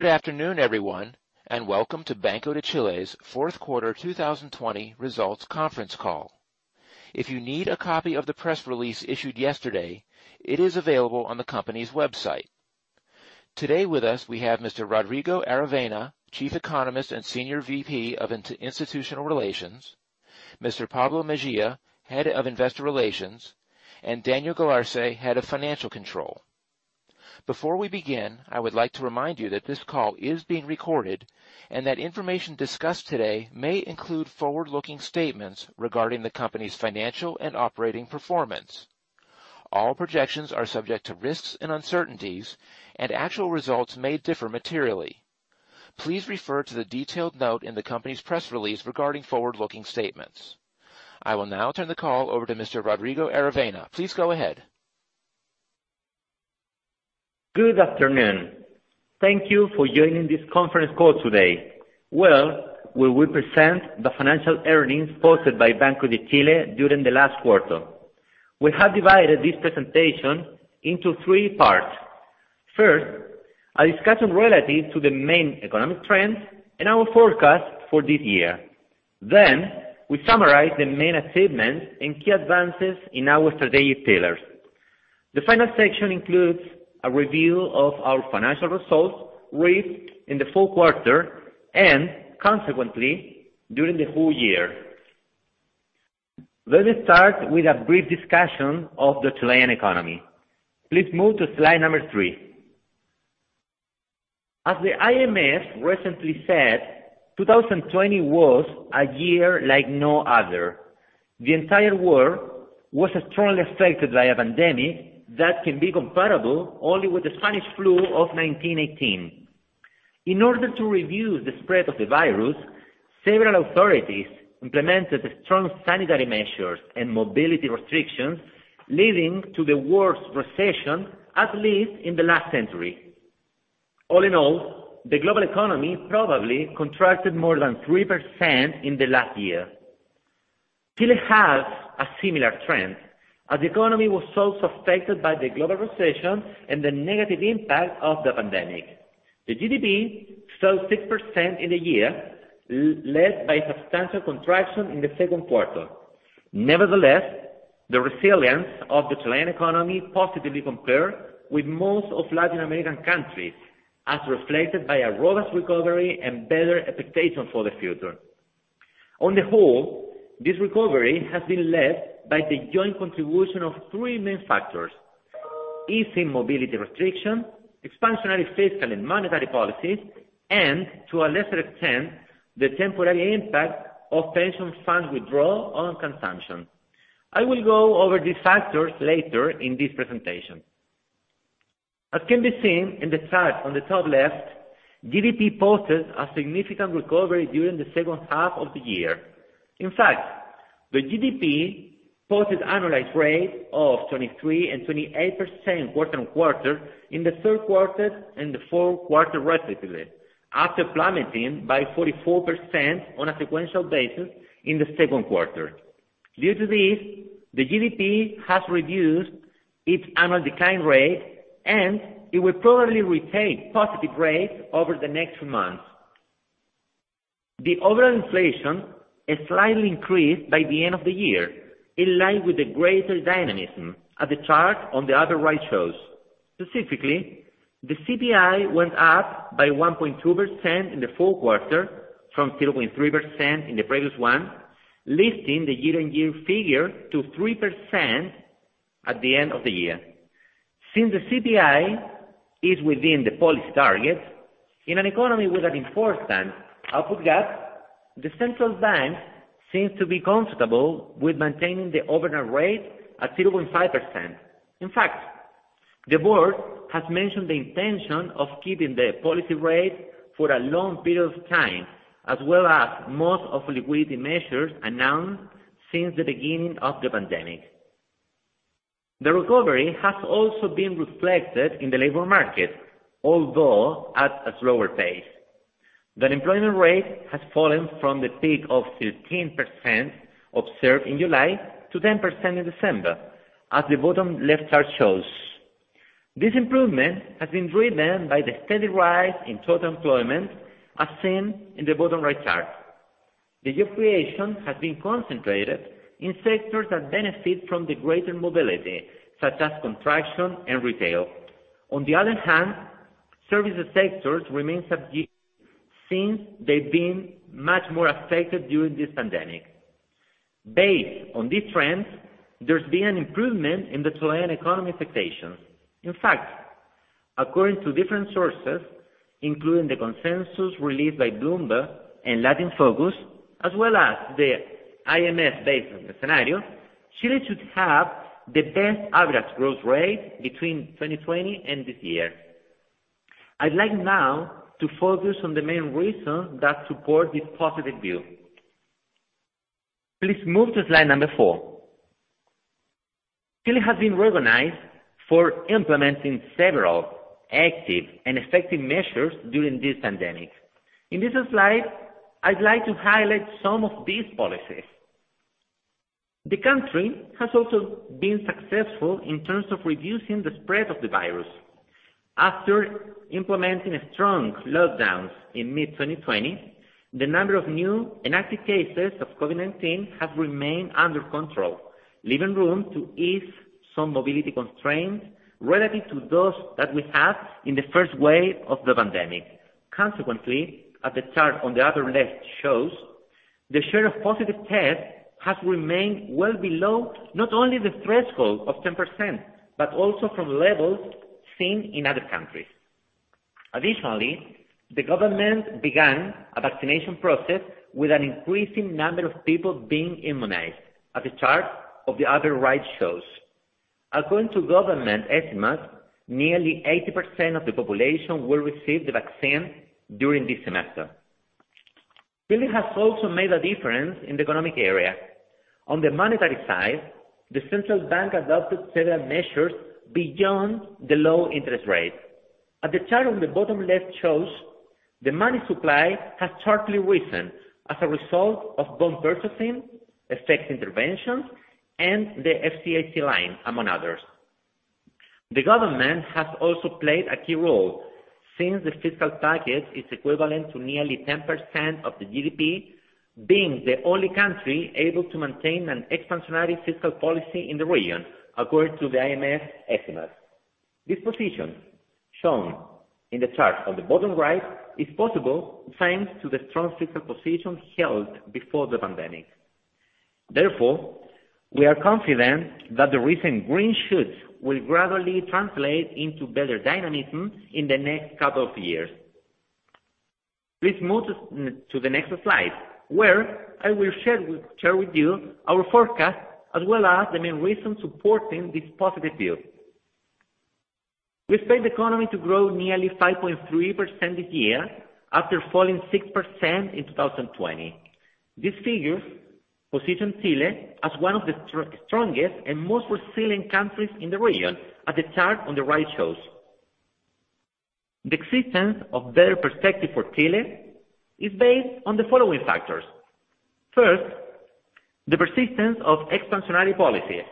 Good afternoon, everyone, and welcome to Banco de Chile's fourth quarter 2020 results conference call. If you need a copy of the press release issued yesterday, it is available on the company's website. Today with us, we have Mr. Rodrigo Aravena, Chief Economist and Senior VP of Institutional Relations, Mr. Pablo Mejia, Head of Investor Relations, and Daniel Galarce, Head of Financial Control. Before we begin, I would like to remind you that this call is being recorded and that information discussed today may include forward-looking statements regarding the company's financial and operating performance. All projections are subject to risks and uncertainties and actual results may differ materially. Please refer to the detailed note in the company's press release regarding forward-looking statements. I will now turn the call over to Mr. Rodrigo Aravena. Please go ahead. Good afternoon. Thank you for joining this conference call today, where we will present the financial earnings posted by Banco de Chile during the last quarter. We have divided this presentation into three parts. First, a discussion relative to the main economic trends and our forecast for this year. Then we summarize the main achievements and key advances in our strategic pillars. The final section includes a review of our financial results reached in the full quarter and consequently, during the whole year. Let me start with a brief discussion of the Chilean economy. Please move to slide number three. As the IMF recently said, 2020 was a year like no other. The entire world was strongly affected by a pandemic that can be comparable only with the Spanish flu of 1918. In order to reduce the spread of the virus, several authorities implemented strong sanitary measures and mobility restrictions, leading to the worst recession, at least in the last century. All in all, the global economy probably contracted more than 3% in the last year. Chile has a similar trend, as the economy was also affected by the global recession and the negative impact of the pandemic. The GDP fell 6% in a year, led by substantial contraction in the second quarter. Nevertheless, the resilience of the Chilean economy positively compare with most of Latin American countries, as reflected by a robust recovery and better expectation for the future. On the whole, this recovery has been led by the joint contribution of three main factors: easing mobility restriction, expansionary fiscal and monetary policies, and to a lesser extent, the temporary impact of pension funds withdrawal on consumption. I will go over these factors later in this presentation. As can be seen in the chart on the top left, GDP posted a significant recovery during the second half of the year. In fact, the GDP posted annualized rate of 23% and 28% quarter-on-quarter in the third quarter and the fourth quarter, respectively, after plummeting by 44% on a sequential basis in the second quarter. Due to this, the GDP has reduced its annual decline rate, and it will probably retain positive rates over the next months. The overall inflation has slightly increased by the end of the year, in line with the greater dynamism as the chart on the other right shows. Specifically, the CPI went up by 1.2% in the fourth quarter from 0.3% in the previous one, lifting the year-on-year figure to 3% at the end of the year. Since the CPI is within the policy target, in an economy with an [important] output gap, the Central Bank seems to be comfortable with maintaining the overnight rate at 0.5%. In fact, the board has mentioned the intention of keeping the policy rate for a long period of time, as well as most of liquidity measures announced since the beginning of the pandemic. The recovery has also been reflected in the labor market, although at a slower pace. The unemployment rate has fallen from the peak of 13% observed in July to 10% in December, as the bottom left chart shows. This improvement has been driven by the steady rise in total employment, as seen in the bottom right chart. The job creation has been concentrated in sectors that benefit from the greater mobility, such as construction and retail. On the other hand, service sectors remain subdued since they've been much more affected during this pandemic. Based on these trends, there's been an improvement in the Chilean economy expectations. In fact, according to different sources, including the consensus released by Bloomberg and LatinFocus, as well as the IMF-based scenario, Chile should have the best average growth rate between 2020 and this year. I'd like now to focus on the main reasons that support this positive view. Please move to slide number four. Chile has been recognized for implementing several active and effective measures during this pandemic. In this slide, I'd like to highlight some of these policies. The country has also been successful in terms of reducing the spread of the virus. After implementing strong lockdowns in mid-2020, the number of new and active cases of COVID-19 have remained under control, leaving room to ease some mobility constraints relative to those that we had in the first wave of the pandemic. Consequently, as the chart on the other left shows, the share of positive tests has remained well below not only the threshold of 10%, but also from levels seen in other countries. Additionally, the government began a vaccination process with an increasing number of people being immunized, as the chart of the other right shows. According to government estimates, nearly 80% of the population will receive the vaccine during this semester. Chile has also made a difference in the economic area. On the monetary side, the central bank adopted several measures beyond the low interest rate. As the chart on the bottom left shows, the money supply has sharply risen as a result of bond purchasing, FX interventions, and the FCIC line, among others. The government has also played a key role since the fiscal package is equivalent to nearly 10% of the GDP, being the only country able to maintain an expansionary fiscal policy in the region, according to the IMF estimates. This position, shown in the chart on the bottom right, is possible thanks to the strong fiscal position held before the pandemic. Therefore, we are confident that the recent green shoots will gradually translate into better dynamism in the next couple of years. Please move to the next slide, where I will share with you our forecast, as well as the main reasons supporting this positive view. We expect the economy to grow nearly 5.3% this year after falling 6% in 2020. These figures position Chile as one of the strongest and most resilient countries in the region, as the chart on the right shows. The existence of better perspective for Chile is based on the following factors. First, the persistence of expansionary policies.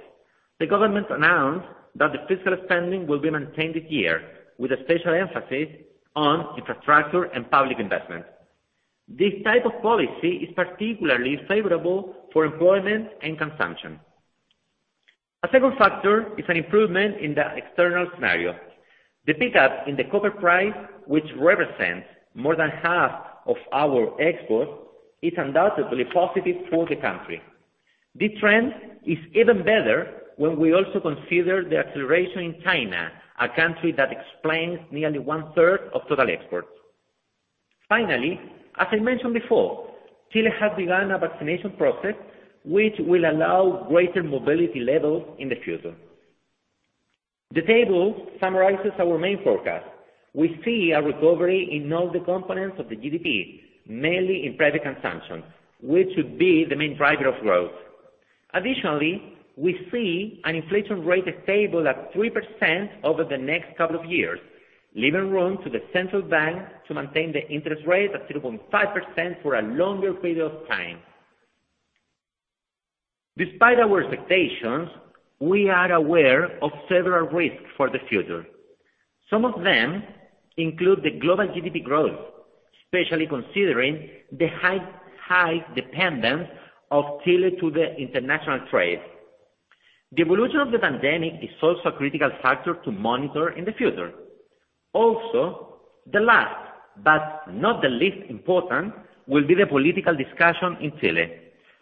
The government announced that the fiscal spending will be maintained this year with a special emphasis on infrastructure and public investment. This type of policy is particularly favorable for employment and consumption. A second factor is an improvement in the external scenario. The pickup in the copper price, which represents more than half of our exports, is undoubtedly positive for the country. This trend is even better when we also consider the acceleration in China, a country that explains nearly one-third of total exports. Finally, as I mentioned before, Chile has begun a vaccination process which will allow greater mobility levels in the future. The table summarizes our main forecast. We see a recovery in all the components of the GDP, mainly in private consumption, which should be the main driver of growth. Additionally, we see an inflation rate stable at 3% over the next couple of years, leaving room to the central bank to maintain the interest rate at 3.5% for a longer period of time. Despite our expectations, we are aware of several risks for the future. Some of them include the global GDP growth, especially considering the high dependence of Chile to the international trade. The evolution of the pandemic is also a critical factor to monitor in the future. Also, the last, but not the least important, will be the political discussion in Chile.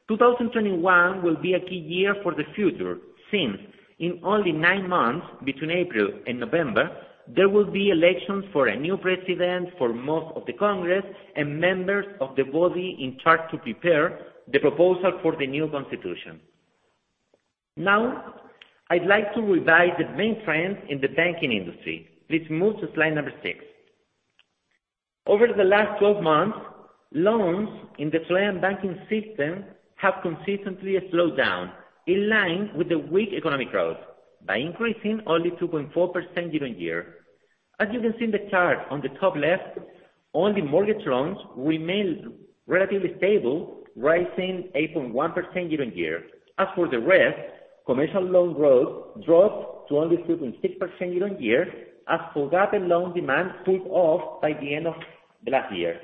2021 will be a key year for the future, since in only nine months, between April and November, there will be elections for a new president, for most of the Congress, and members of the body in charge to prepare the proposal for the new constitution. Now, I'd like to revise the main trends in the banking industry. Please move to slide number six. Over the last 12 months, loans in the Chilean banking system have consistently slowed down in line with the weak economic growth, by increasing only 2.4% year-on-year. As you can see in the chart on the top left, only mortgage loans remained relatively stable, rising 8.1% year-on-year. As for the rest, commercial loan growth dropped to only 2.6% year-on-year, as FOGAPE loan demand took off by the end of last year.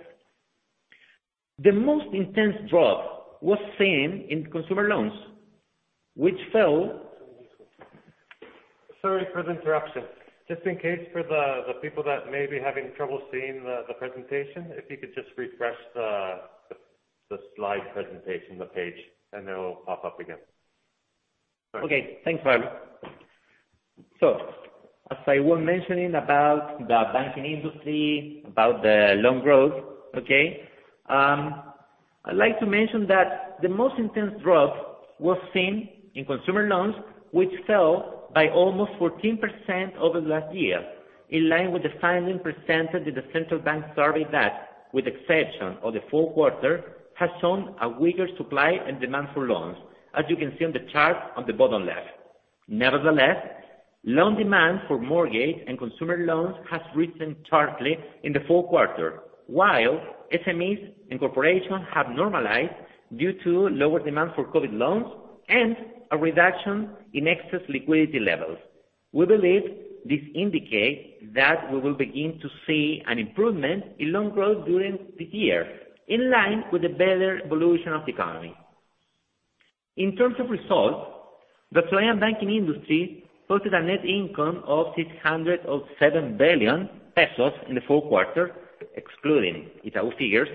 The most intense drop was seen in consumer loans, which fell- Sorry for the interruption. Just in case for the people that may be having trouble seeing the presentation, if you could just refresh the slide presentation, the page, and it'll pop up again. Okay. Thanks, Pablo. As I was mentioning about the banking industry, about the loan growth. Okay? I'd like to mention that the most intense drop was seen in consumer loans, which fell by almost 14% over last year, in line with the finding presented in the central bank survey that, with exception of the fourth quarter, has shown a weaker supply and demand for loans, as you can see on the chart on the bottom left. Loan demand for mortgage and consumer loans has risen sharply in the fourth quarter, while SMEs and corporations have normalized due to lower demand for COVID loans and a reduction in excess liquidity levels. We believe this indicates that we will begin to see an improvement in loan growth during this year, in line with the better evolution of the economy. In terms of results, the Chilean banking industry posted a net income of 607 billion pesos in the fourth quarter, excluding Itaú figures,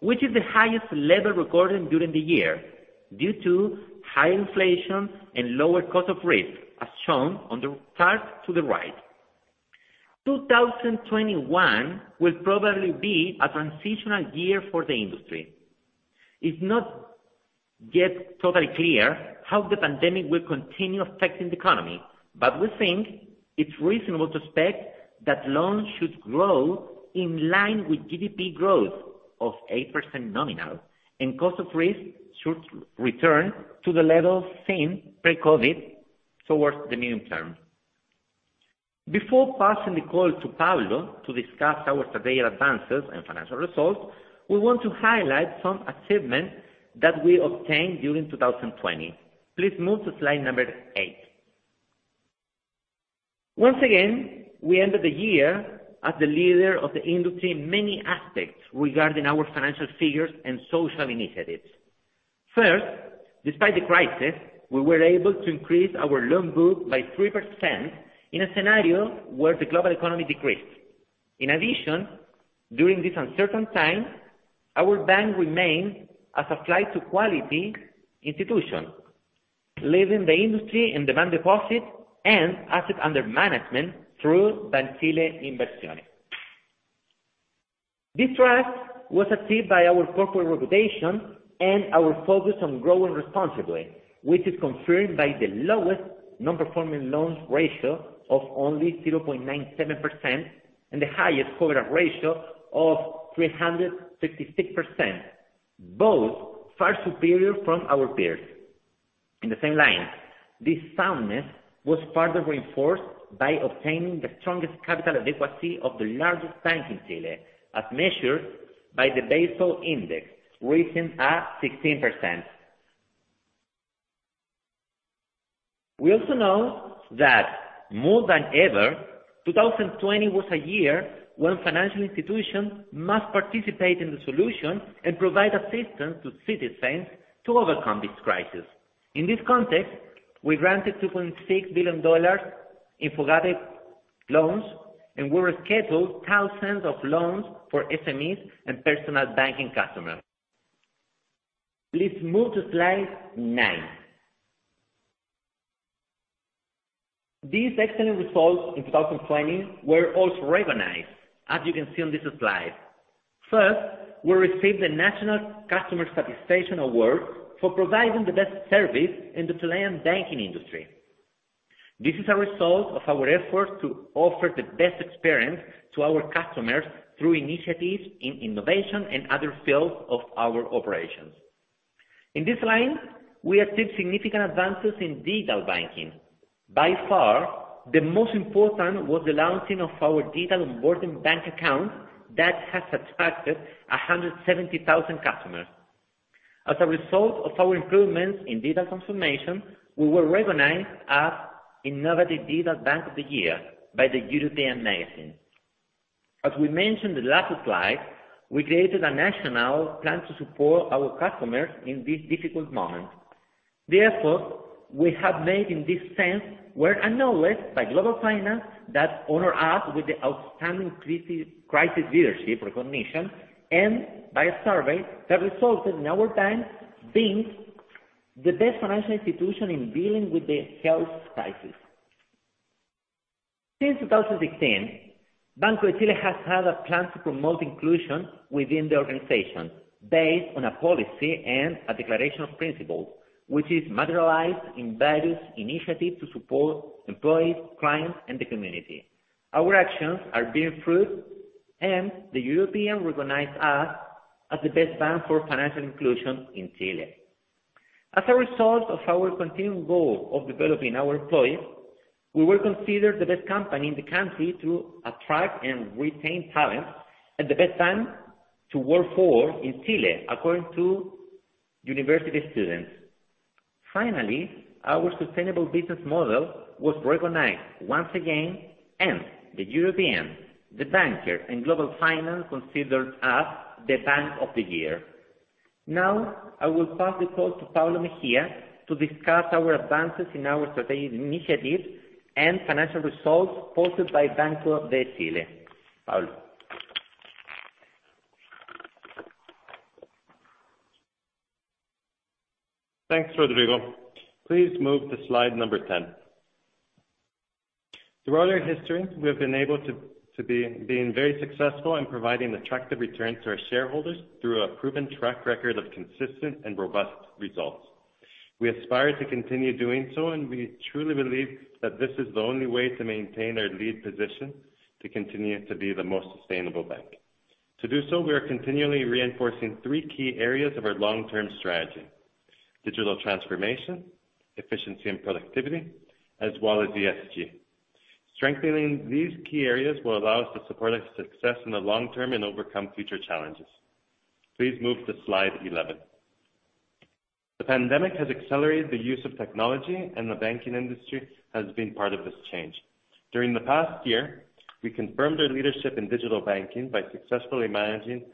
which is the highest level recorded during the year due to high inflation and lower cost of risk, as shown on the chart to the right. 2021 will probably be a transitional year for the industry. It's not yet totally clear how the pandemic will continue affecting the economy, but we think it's reasonable to expect that loans should grow in line with GDP growth of 8% nominal, and cost of risk should return to the levels seen pre-COVID towards the medium term. Before passing the call to Pablo to discuss our strategic advances and financial results, we want to highlight some achievements that we obtained during 2020. Please move to slide number eight. Once again, we ended the year as the leader of the industry in many aspects regarding our financial figures and social initiatives. First, despite the crisis, we were able to increase our loan book by 3% in a scenario where the global economy decreased. In addition, during this uncertain time, our bank remains as a flight to quality institution, leading the industry in demand deposit and assets under management through Banchile Inversiones. This trust was achieved by our corporate reputation and our focus on growing responsibly, which is confirmed by the lowest non-performing loans ratio of only 0.97% and the highest coverage ratio of 356%, both far superior from our peers. In the same line, this soundness was further reinforced by obtaining the strongest capital adequacy of the largest bank in Chile, as measured by the Basel Index, rising at 16%. We also know that more than ever, 2020 was a year when financial institutions must participate in the solution and provide assistance to citizens to overcome this crisis. In this context, we granted $2.6 billion in FOGAPE loans, and we rescheduled thousands of loans for SMEs and personal banking customers. Please move to slide nine. These excellent results in 2020 were also recognized, as you can see on this slide. First, we received the National Customer Satisfaction Award for providing the best service in the Chilean banking industry. This is a result of our effort to offer the best experience to our customers through initiatives in innovation and other fields of our operations. In this line, we achieved significant advances in digital banking. By far, the most important was the launching of our digital onboarding bank account that has attracted 170,000 customers. As a result of our improvements in digital transformation, we were recognized as Innovative Digital Bank of the Year by The European Magazine. As we mentioned in the last slide, we created a national plan to support our customers in this difficult moment. We have made in this sense, were acknowledged by Global Finance that honored us with the Outstanding Crisis Leadership recognition and by a survey that resulted in our bank being the best financial institution in dealing with the health crisis. Since 2016, Banco de Chile has had a plan to promote inclusion within the organization based on a policy and a declaration of principles, which is materialized in various initiatives to support employees, clients, and the community. Our actions are bearing fruit and The European recognized us as the Best Bank for Financial Inclusion in Chile. As a result of our continued goal of developing our employees, we were considered the best company in the country to attract and retain talent and the best bank to work for in Chile, according to university students. Finally, our sustainable business model was recognized once again, and The European, The Banker, and Global Finance considered us the Bank of the Year. I will pass the call to Pablo Mejia to discuss our advances in our strategic initiatives and financial results posted by Banco de Chile. Pablo. Thanks, Rodrigo. Please move to slide number 10. Throughout our history, we have been able to be very successful in providing attractive returns to our shareholders through a proven track record of consistent and robust results. We aspire to continue doing so. We truly believe that this is the only way to maintain our lead position to continue to be the most sustainable bank. To do so, we are continually reinforcing three key areas of our long-term strategy: digital transformation, efficiency and productivity, as well as ESG. Strengthening these key areas will allow us to support our success in the long term and overcome future challenges. Please move to slide 11. The pandemic has accelerated the use of technology. The banking industry has been part of this change. During the past year, we confirmed our leadership in digital banking by successfully managing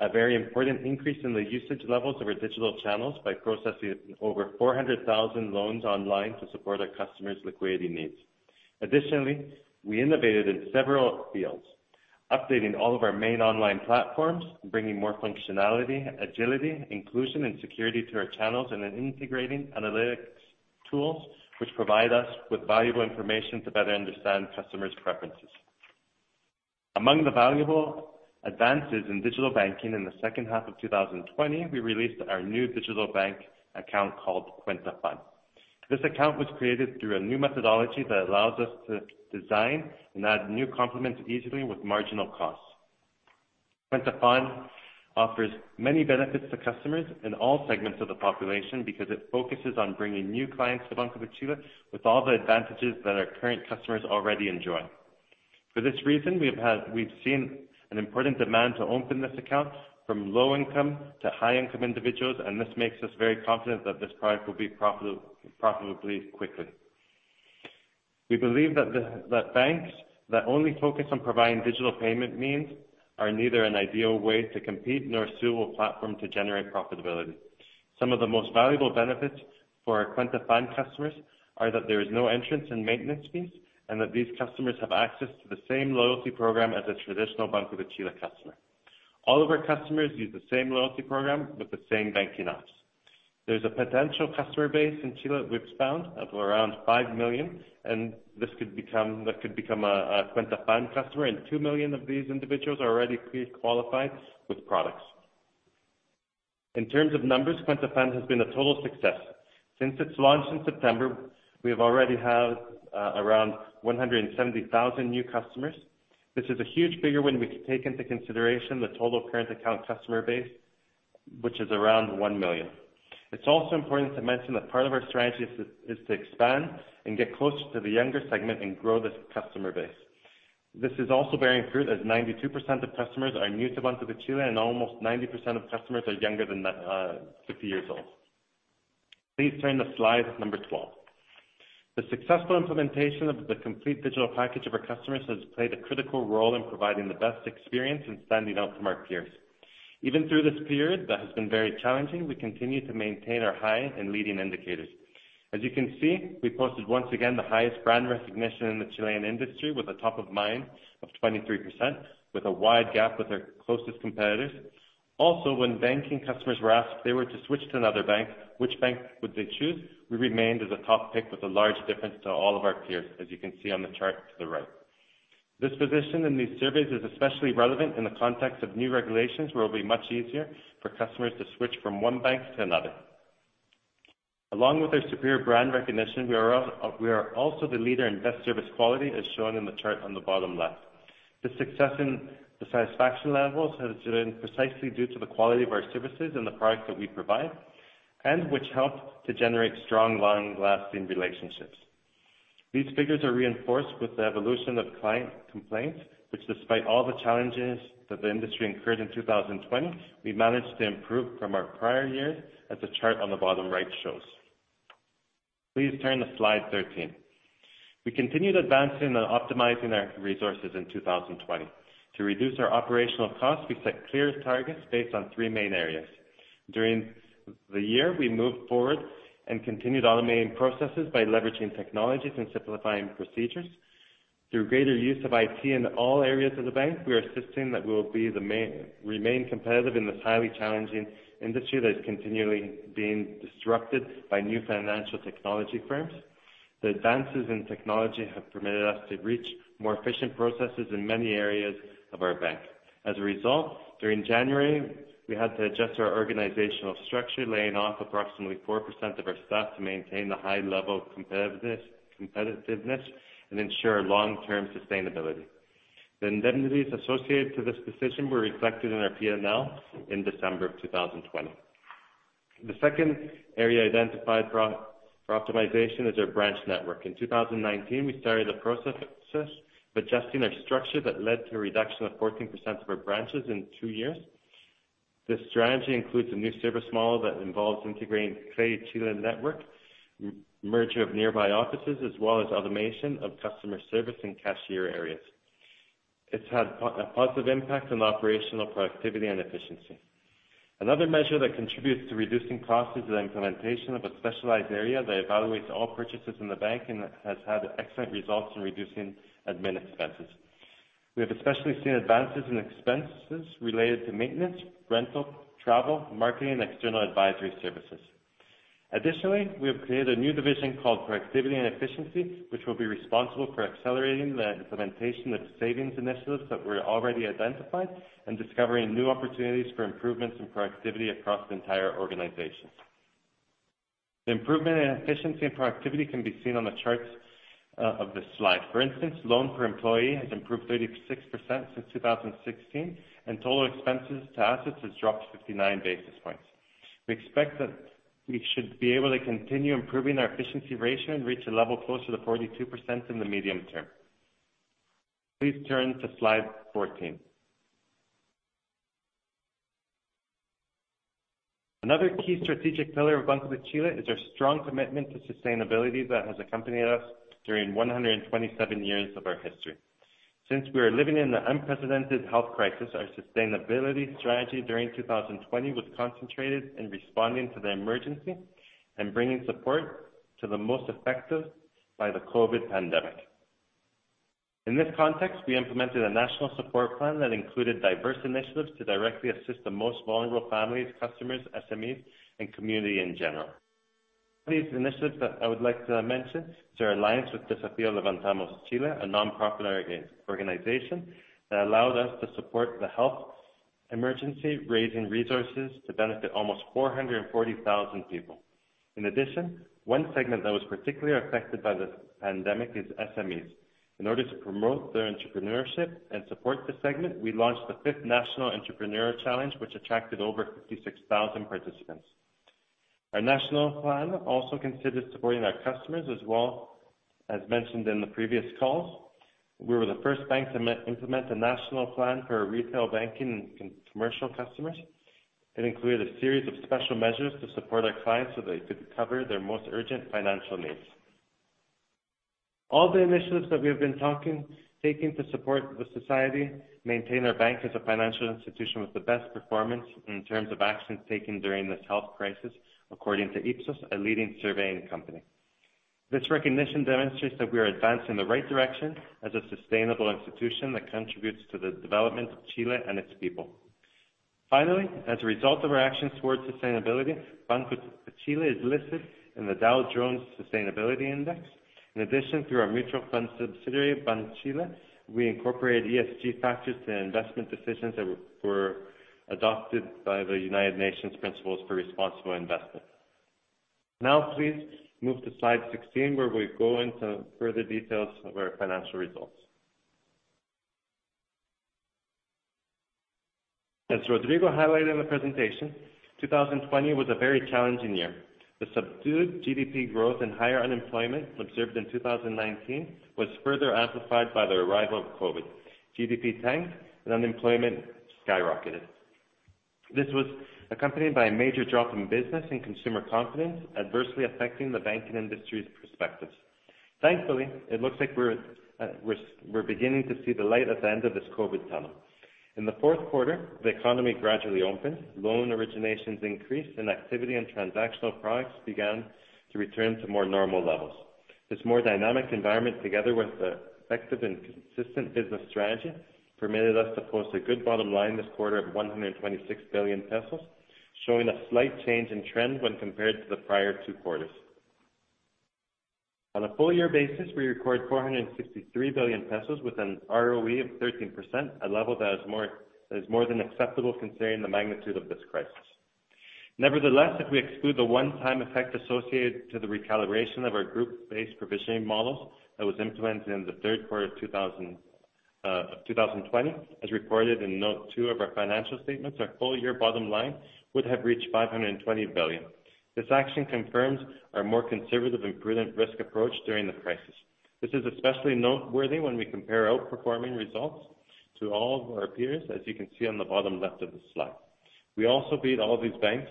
a very important increase in the usage levels of our digital channels by processing over 400,000 loans online to support our customers' liquidity needs. Additionally, we innovated in several fields, updating all of our main online platforms, bringing more functionality, agility, inclusion, and security to our channels, integrating analytics tools which provide us with valuable information to better understand customers' preferences. Among the valuable advances in digital banking in the second half of 2020, we released our new digital bank account called Cuenta FAN. This account was created through a new methodology that allows us to design and add new complements easily with marginal costs. Cuenta FAN offers many benefits to customers in all segments of the population because it focuses on bringing new clients to Banco de Chile with all the advantages that our current customers already enjoy. For this reason, we've seen an important demand to open this account from low-income to high-income individuals, and this makes us very confident that this product will be profitable quickly. We believe that banks that only focus on providing digital payment means are neither an ideal way to compete nor a suitable platform to generate profitability. Some of the most valuable benefits for our Cuenta FAN customers are that there is no entrance and maintenance fees, and that these customers have access to the same loyalty program as a traditional Banco de Chile customer. All of our customers use the same loyalty program with the same banking apps. There's a potential customer base in Chile we've found of around 5 million, and that could become a Cuenta FAN customer, and 2 million of these individuals are already pre-qualified with products. In terms of numbers, Cuenta FAN has been a total success. Since its launch in September, we have already had around 170,000 new customers. This is a huge figure when we take into consideration the total current account customer base, which is around 1 million. It's also important to mention that part of our strategy is to expand and get closer to the younger segment and grow this customer base. This is also bearing fruit, as 92% of customers are new to Banco de Chile, and almost 90% of customers are younger than 50 years old. Please turn to slide number 12. The successful implementation of the complete digital package of our customers has played a critical role in providing the best experience and standing out from our peers. Even through this period that has been very challenging, we continue to maintain our high and leading indicators. As you can see, we posted once again the highest brand recognition in the Chilean industry with a top of mind of 23%, with a wide gap with our closest competitors. When banking customers were asked if they were to switch to another bank, which bank would they choose, we remained as a top pick with a large difference to all of our peers, as you can see on the chart to the right. This position in these surveys is especially relevant in the context of new regulations, where it'll be much easier for customers to switch from one bank to another. Along with our superior brand recognition, we are also the leader in best service quality, as shown in the chart on the bottom left. The success in the satisfaction levels has been precisely due to the quality of our services and the product that we provide, and which help to generate strong, long-lasting relationships. These figures are reinforced with the evolution of client complaints, which despite all the challenges that the industry incurred in 2020, we managed to improve from our prior year, as the chart on the bottom right shows. Please turn to slide 13. We continued advancing and optimizing our resources in 2020. To reduce our operational costs, we set clear targets based on three main areas. During the year, we moved forward and continued automating processes by leveraging technologies and simplifying procedures. Through greater use of IT in all areas of the bank, we are asserting that we will remain competitive in this highly challenging industry that is continually being disrupted by new financial technology firms. The advances in technology have permitted us to reach more efficient processes in many areas of our bank. As a result, during January, we had to adjust our organizational structure, laying off approximately 4% of our staff to maintain the high level of competitiveness and ensure long-term sustainability. The indemnities associated to this decision were reflected in our P&L in December of 2020. The second area identified for optimization is our branch network. In 2019, we started a process of adjusting our structure that led to a reduction of 14% of our branches in two years. This strategy includes a new service model that involves integrating CrediChile network, merger of nearby offices, as well as automation of customer service and cashier areas. It's had a positive impact on operational productivity and efficiency. Another measure that contributes to reducing costs is the implementation of a specialized area that evaluates all purchases in the bank and has had excellent results in reducing admin expenses. We have especially seen advances in expenses related to maintenance, rental, travel, marketing, and external advisory services. Additionally, we have created a new division called Productivity and Efficiency, which will be responsible for accelerating the implementation of savings initiatives that were already identified and discovering new opportunities for improvements in productivity across the entire organization. The improvement in efficiency and productivity can be seen on the charts of this slide. For instance, loans per employee has improved 36% since 2016, and total expenses to assets has dropped 59 basis points. We expect that we should be able to continue improving our efficiency ratio and reach a level closer to 42% in the medium term. Please turn to slide 14. Another key strategic pillar of Banco de Chile is our strong commitment to sustainability that has accompanied us during 127 years of our history. Since we are living in an unprecedented health crisis, our sustainability strategy during 2020 was concentrated in responding to the emergency and bringing support to the most affected by the COVID pandemic. In this context, we implemented a national support plan that included diverse initiatives to directly assist the most vulnerable families, customers, SMEs, and community in general. One of these initiatives that I would like to mention is our alliance with Desafío Levantemos Chile, a non-profit organization that allowed us to support the health emergency, raising resources to benefit almost 440,000 people. In addition, one segment that was particularly affected by this pandemic is SMEs. In order to promote their entrepreneurship and support the segment, we launched the 5th National Entrepreneur Challenge, which attracted over 56,000 participants. Our national plan also considers supporting our customers as well. As mentioned in the previous calls, we were the first bank to implement a national plan for retail banking and commercial customers. It included a series of special measures to support our clients so they could cover their most urgent financial needs. All the initiatives that we have been taking to support the society maintain our bank as a financial institution with the best performance in terms of actions taken during this health crisis, according to Ipsos, a leading surveying company. This recognition demonstrates that we are advancing in the right direction as a sustainable institution that contributes to the development of Chile and its people. Finally, as a result of our actions towards sustainability, Banco de Chile is listed in the Dow Jones Sustainability Index. In addition, through our mutual fund subsidiary, Banchile, we incorporate ESG factors to investment decisions that were adopted by the United Nations Principles for Responsible Investment. Now please move to slide 16, where we go into further details of our financial results. As Rodrigo highlighted in the presentation, 2020 was a very challenging year. The subdued GDP growth and higher unemployment observed in 2019 was further amplified by the arrival of COVID. GDP tanked and unemployment skyrocketed. This was accompanied by a major drop in business and consumer confidence, adversely affecting the banking industry's perspectives. Thankfully, it looks like we're beginning to see the light at the end of this COVID tunnel. In the fourth quarter, the economy gradually opened, loan originations increased, and activity and transactional products began to return to more normal levels. This more dynamic environment, together with the effective and consistent business strategy, permitted us to post a good bottom line this quarter of 126 billion pesos, showing a slight change in trend when compared to the prior two quarters. On a full year basis, we record 463 billion pesos with an ROE of 13%, a level that is more than acceptable considering the magnitude of this crisis. Nevertheless, if we exclude the one-time effect associated to the recalibration of our group-based provisioning model that was implemented in the third quarter of 2020, as recorded in note two of our financial statements, our full-year bottom line would have reached 520 billion. This action confirms our more conservative and prudent risk approach during the crisis. This is especially noteworthy when we compare outperforming results to all of our peers, as you can see on the bottom left of the slide. We also beat all these banks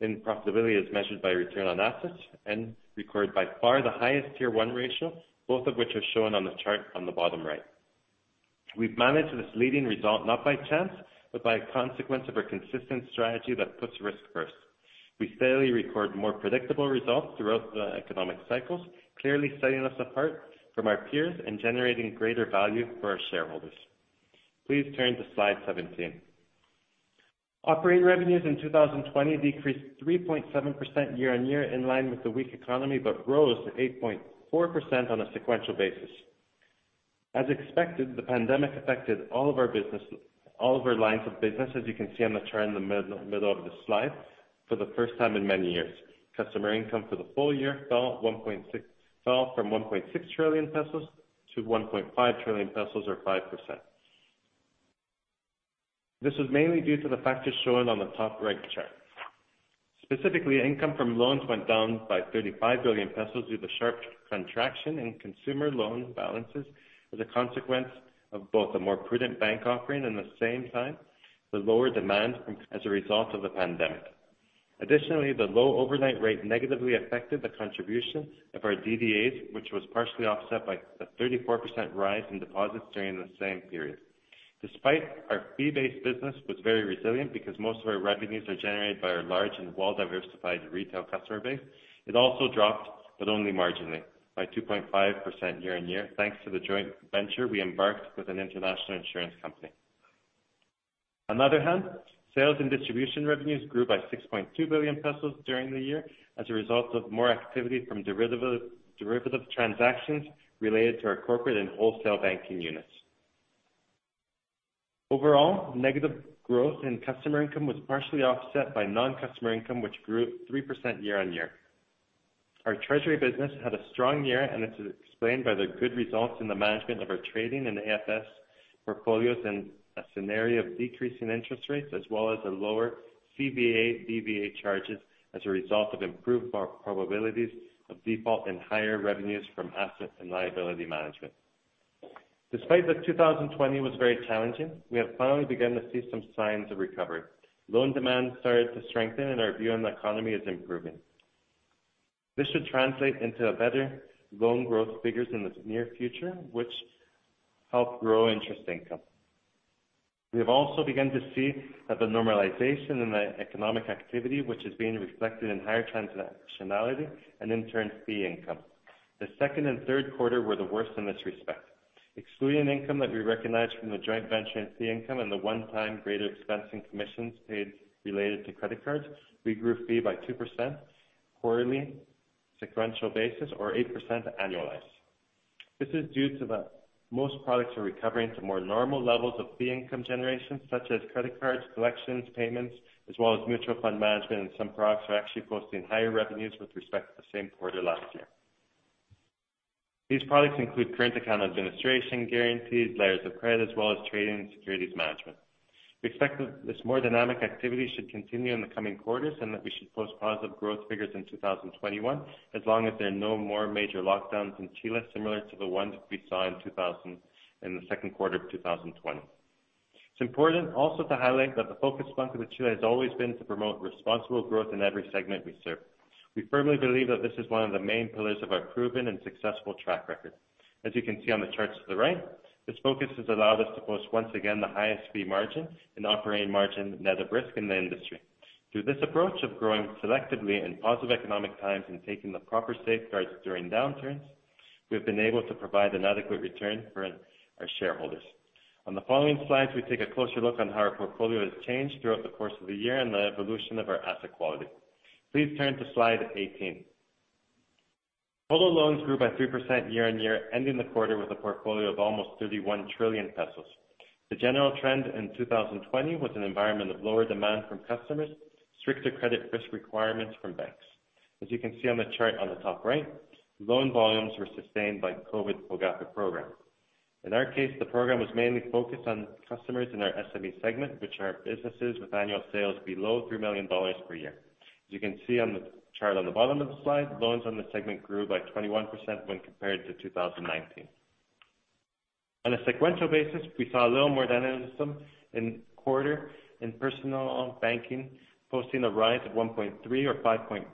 in profitability, as measured by return on assets, and recorded by far the highest Tier 1 ratio, both of which are shown on the chart on the bottom right. We have managed this leading result not by chance, but by a consequence of our consistent strategy that puts risk first. We fairly record more predictable results throughout the economic cycles, clearly setting us apart from our peers and generating greater value for our shareholders. Please turn to slide 17. Operating revenues in 2020 decreased 3.7% year-on-year, in line with the weak economy, but rose 8.4% on a sequential basis. As expected, the pandemic affected all of our lines of business, as you can see on the chart in the middle of the slide for the first time in many years. Customer income for the full year fell from 1.6 trillion pesos to 1.5 trillion pesos, or 5%. This was mainly due to the factors shown on the top right chart. Specifically, income from loans went down by 35 billion pesos due to sharp contraction in consumer loan balances as a consequence of both a more prudent bank offering, and at the same time, the lower demand as a result of the pandemic. Additionally, the low overnight rate negatively affected the contribution of our DDAs, which was partially offset by a 34% rise in deposits during the same period. Despite our fee-based business was very resilient because most of our revenues are generated by our large and well-diversified retail customer base, it also dropped, but only marginally, by 2.5% year-over-year, thanks to the joint venture we embarked with an international insurance company. On the other hand, sales and distribution revenues grew by 6.2 billion pesos during the year as a result of more activity from derivative transactions related to our corporate and wholesale banking units. Overall, negative growth in customer income was partially offset by non-customer income, which grew 3% year-on-year. Our treasury business had a strong year, and this is explained by the good results in the management of our trading and AFS portfolios in a scenario of decreasing interest rates as well as lower CVA DVA charges as a result of improved probabilities of default and higher revenues from asset and liability management. Despite that 2020 was very challenging, we have finally begun to see some signs of recovery. Loan demand started to strengthen, and our view on the economy is improving. This should translate into better loan growth figures in the near future, which help grow interest income. We have also begun to see that the normalization in the economic activity, which is being reflected in higher transactionality and in turn, fee income. The second and third quarter were the worst in this respect. Excluding income that we recognized from the joint venture and fee income, and the one-time greater expense in commissions paid related to credit cards, we grew fees by 2% quarterly sequential basis or 8% annualized. This is due to most products are recovering to more normal levels of fee income generation, such as credit cards, collections, payments, as well as mutual fund management, and some products are actually posting higher revenues with respect to the same quarter last year. These products include current account administration, guarantees, letters of credit, as well as trading and securities management. We expect that this more dynamic activity should continue in the coming quarters and that we should post positive growth figures in 2021, as long as there are no more major lockdowns in Chile similar to the ones we saw in the second quarter of 2020. It's important also to highlight that the focus Banco de Chile has always been to promote responsible growth in every segment we serve. We firmly believe that this is one of the main pillars of our proven and successful track record. As you can see on the charts to the right, this focus has allowed us to post once again the highest fee margin and operating margin net of risk in the industry. Through this approach of growing selectively in positive economic times and taking the proper safeguards during downturns, we've been able to provide an adequate return for our shareholders. On the following slides, we take a closer look on how our portfolio has changed throughout the course of the year and the evolution of our asset quality. Please turn to slide 18. Total loans grew by 3% year-on-year, ending the quarter with a portfolio of almost 31 trillion pesos. The general trend in 2020 was an environment of lower demand from customers, stricter credit risk requirements from banks. As you can see on the chart on the top right, loan volumes were sustained by COVID FOGAPE program. In our case, the program was mainly focused on customers in our SME segment, which are businesses with annual sales below $3 million per year. As you can see on the chart on the bottom of the slide, loans on this segment grew by 21% when compared to 2019. On a sequential basis, we saw a little more dynamism in quarter in personal banking, posting a rise of 1.3% or 5.2%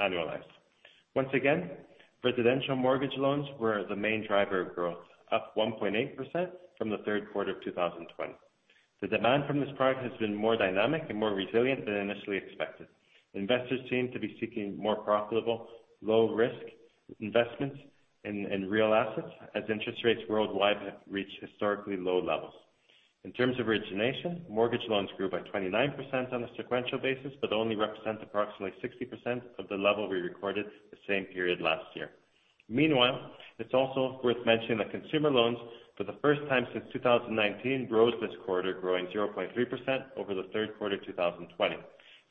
annualized. Once again, residential mortgage loans were the main driver of growth, up 1.8% from the third quarter of 2020. The demand from this product has been more dynamic and more resilient than initially expected. Investors seem to be seeking more profitable, low-risk investments in real assets as interest rates worldwide have reached historically low levels. In terms of origination, mortgage loans grew by 29% on a sequential basis, but only represent approximately 60% of the level we recorded the same period last year. Meanwhile, it's also worth mentioning that consumer loans, for the first time since 2019, rose this quarter, growing 0.3% over the third quarter 2020.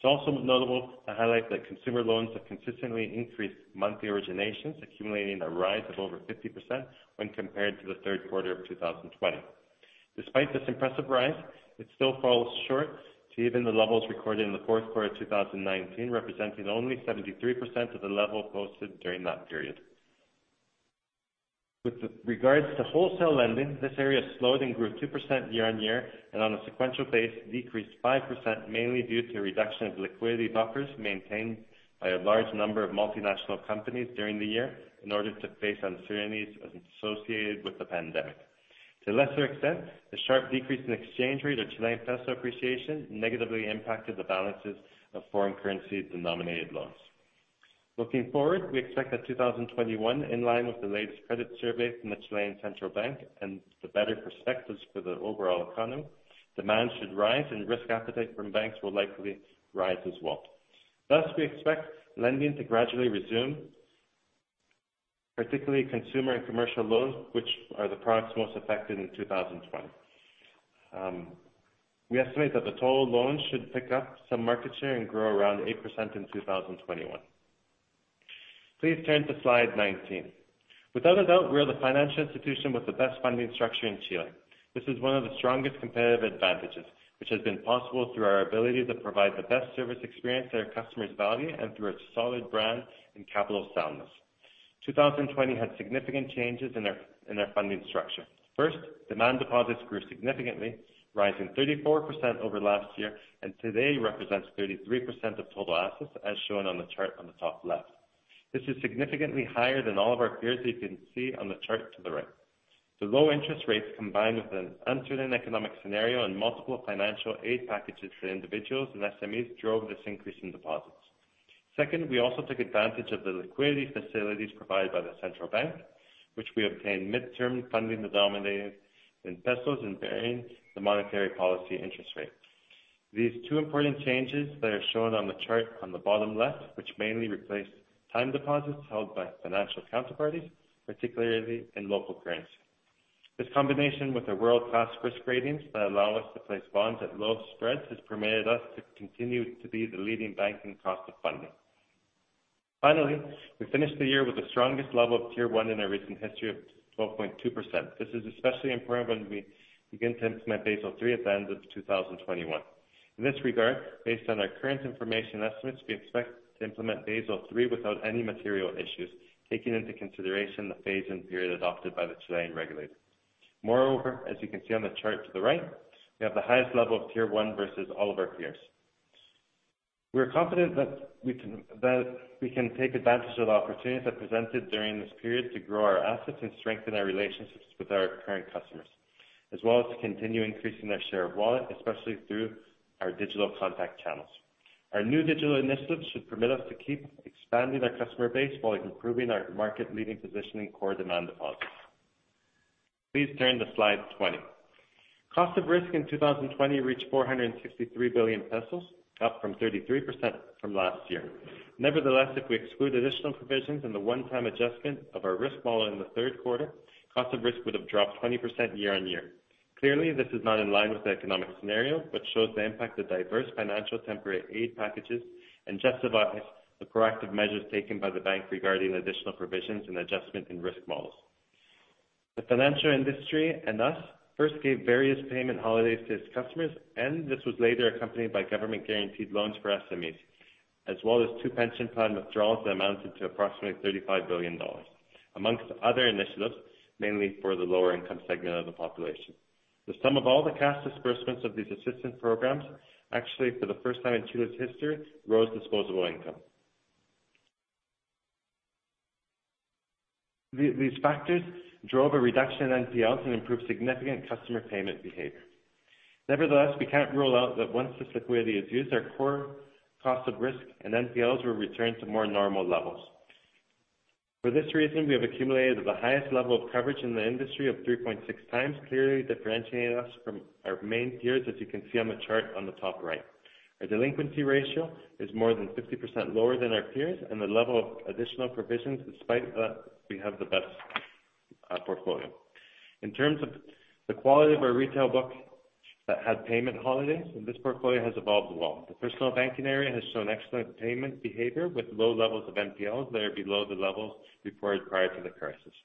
It's also notable to highlight that consumer loans have consistently increased monthly originations, accumulating a rise of over 50% when compared to the third quarter of 2020. Despite this impressive rise, it still falls short to even the levels recorded in the fourth quarter 2019, representing only 73% of the level posted during that period. With regards to wholesale lending, this area slowed and grew 2% year-on-year, and on a sequential basis, decreased 5%, mainly due to a reduction of liquidity buffers maintained by a large number of multinational companies during the year in order to face uncertainties associated with the pandemic. To a lesser extent, the sharp decrease in exchange rate or Chilean peso appreciation negatively impacted the balances of foreign currency denominated loans. Looking forward, we expect that 2021, in line with the latest credit survey from the Chilean Central Bank and the better perspectives for the overall economy, demand should rise and risk appetite from banks will likely rise as well. We expect lending to gradually resume, particularly consumer and commercial loans, which are the products most affected in 2020. We estimate that the total loans should pick up some market share and grow around 8% in 2021. Please turn to slide 19. Without a doubt, we are the financial institution with the best funding structure in Chile. This is one of the strongest competitive advantages, which has been possible through our ability to provide the best service experience that our customers value and through a solid brand and capital soundness. 2020 had significant changes in our funding structure. First, demand deposits grew significantly, rising 34% over last year, and today represents 33% of total assets, as shown on the chart on the top left. This is significantly higher than all of our peers as you can see on the chart to the right. The low interest rates combined with an uncertain economic scenario and multiple financial aid packages for individuals and SMEs drove this increase in deposits. Second, we also took advantage of the liquidity facilities provided by the central bank, which we obtained midterm funding denominated in pesos and varying the monetary policy interest rate. These two important changes that are shown on the chart on the bottom left, which mainly replaced time deposits held by financial counterparties, particularly in local currency. This combination with the world-class risk ratings that allow us to place bonds at low spreads, has permitted us to continue to be the leading bank in cost of funding. Finally, we finished the year with the strongest level of Tier 1 in our recent history of 12.2%. This is especially important when we begin to implement Basel III at the end of 2021. In this regard, based on our current information estimates, we expect to implement Basel III without any material issues, taking into consideration the phase-in period adopted by the Chilean regulator. Moreover, as you can see on the chart to the right, we have the highest level of Tier 1 versus all of our peers. We are confident that we can take advantage of the opportunities that presented during this period to grow our assets and strengthen our relationships with our current customers, as well as to continue increasing their share of wallet, especially through our digital contact channels. Our new digital initiatives should permit us to keep expanding our customer base while improving our market-leading position in core demand deposits. Please turn to slide 20. Cost of risk in 2020 reached 463 billion pesos, up from 33% from last year. If we exclude additional provisions and the one-time adjustment of our risk model in the third quarter, cost of risk would have dropped 20% year-on-year. Clearly, this is not in line with the economic scenario, but shows the impact of diverse financial temporary aid packages and justifies the proactive measures taken by the bank regarding additional provisions and adjustment in risk models. The financial industry and us first gave various payment holidays to its customers. This was later accompanied by government-guaranteed loans for SMEs, as well as two pension plan withdrawals that amounted to approximately $35 billion, amongst other initiatives, mainly for the lower income segment of the population. The sum of all the cash disbursements of these assistance programs, actually, for the first time in Chile's history, rose disposable income. These factors drove a reduction in NPLs and improved significant customer payment behavior. Nevertheless, we can't rule out that once this liquidity is used, our core cost of risk and NPLs will return to more normal levels. For this reason, we have accumulated the highest level of coverage in the industry of 3.6x, clearly differentiating us from our main peers, as you can see on the chart on the top right. Our delinquency ratio is more than 50% lower than our peers, and the level of additional provisions, despite that, we have the best portfolio. In terms of the quality of our retail book that had payment holidays, this portfolio has evolved well. The personal banking area has shown excellent payment behavior with low levels of NPLs that are below the levels reported prior to the crisis.